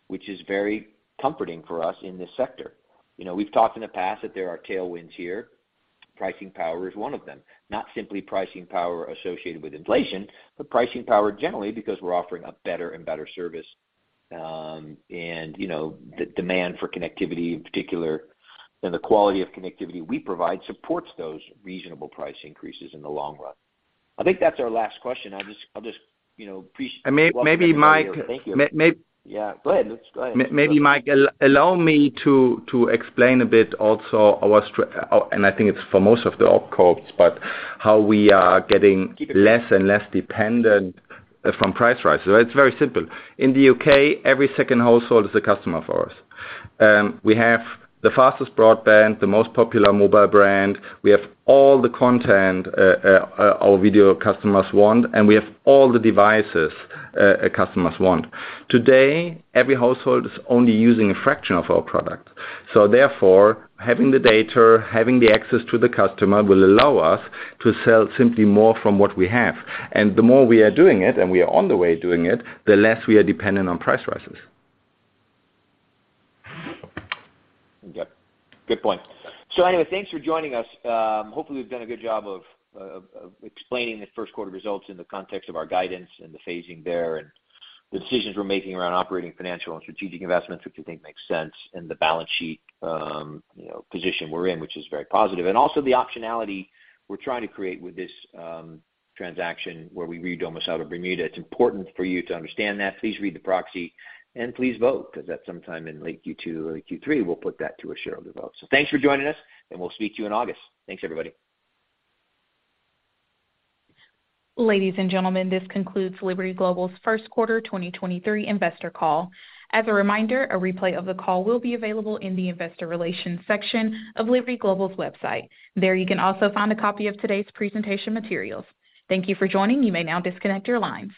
which is very comforting for us in this sector. You know, we've talked in the past that there are tailwinds here. Pricing power is one of them. Not simply pricing power associated with inflation, but pricing power generally because we're offering a better and better service. You know, the demand for connectivity in particular and the quality of connectivity we provide supports those reasonable price increases in the long run. I think that's our last question. I'll just, you know. Maybe Mike... Thank you. May-may- Yeah, go ahead. Let's go ahead. Maybe, Mike, allow me to explain a bit also our, and I think it's for most of the OpCos, but how we are getting less and less dependent from price rises. It's very simple. In the UK, every second household is a customer for us. We have the fastest broadband, the most popular mobile brand. We have all the content our video customers want, and we have all the devices customers want. Today, every household is only using a fraction of our product. Therefore, having the data, having the access to the customer will allow us to sell simply more from what we have. The more we are doing it, and we are on the way doing it, the less we are dependent on price rises. Yeah. Good point. Anyway, thanks for joining us. Hopefully, we've done a good job of explaining the first quarter results in the context of our guidance and the phasing there and the decisions we're making around operating financial and strategic investments, which we think makes sense, and the balance sheet, you know, position we're in, which is very positive. Also the optionality we're trying to create with this transaction where we re-domicile to Bermuda. It's important for you to understand that. Please read the proxy and please vote, because at some time in late Q2, early Q3, we'll put that to a shareholder vote. Thanks for joining us, and we'll speak to you in August. Thanks, everybody. Ladies and gentlemen, this concludes Liberty Global's first quarter 2023 investor call. As a reminder, a replay of the call will be available in the investor relations section of Liberty Global's website. There, you can also find a copy of today's presentation materials. Thank you for joining. You may now disconnect your lines.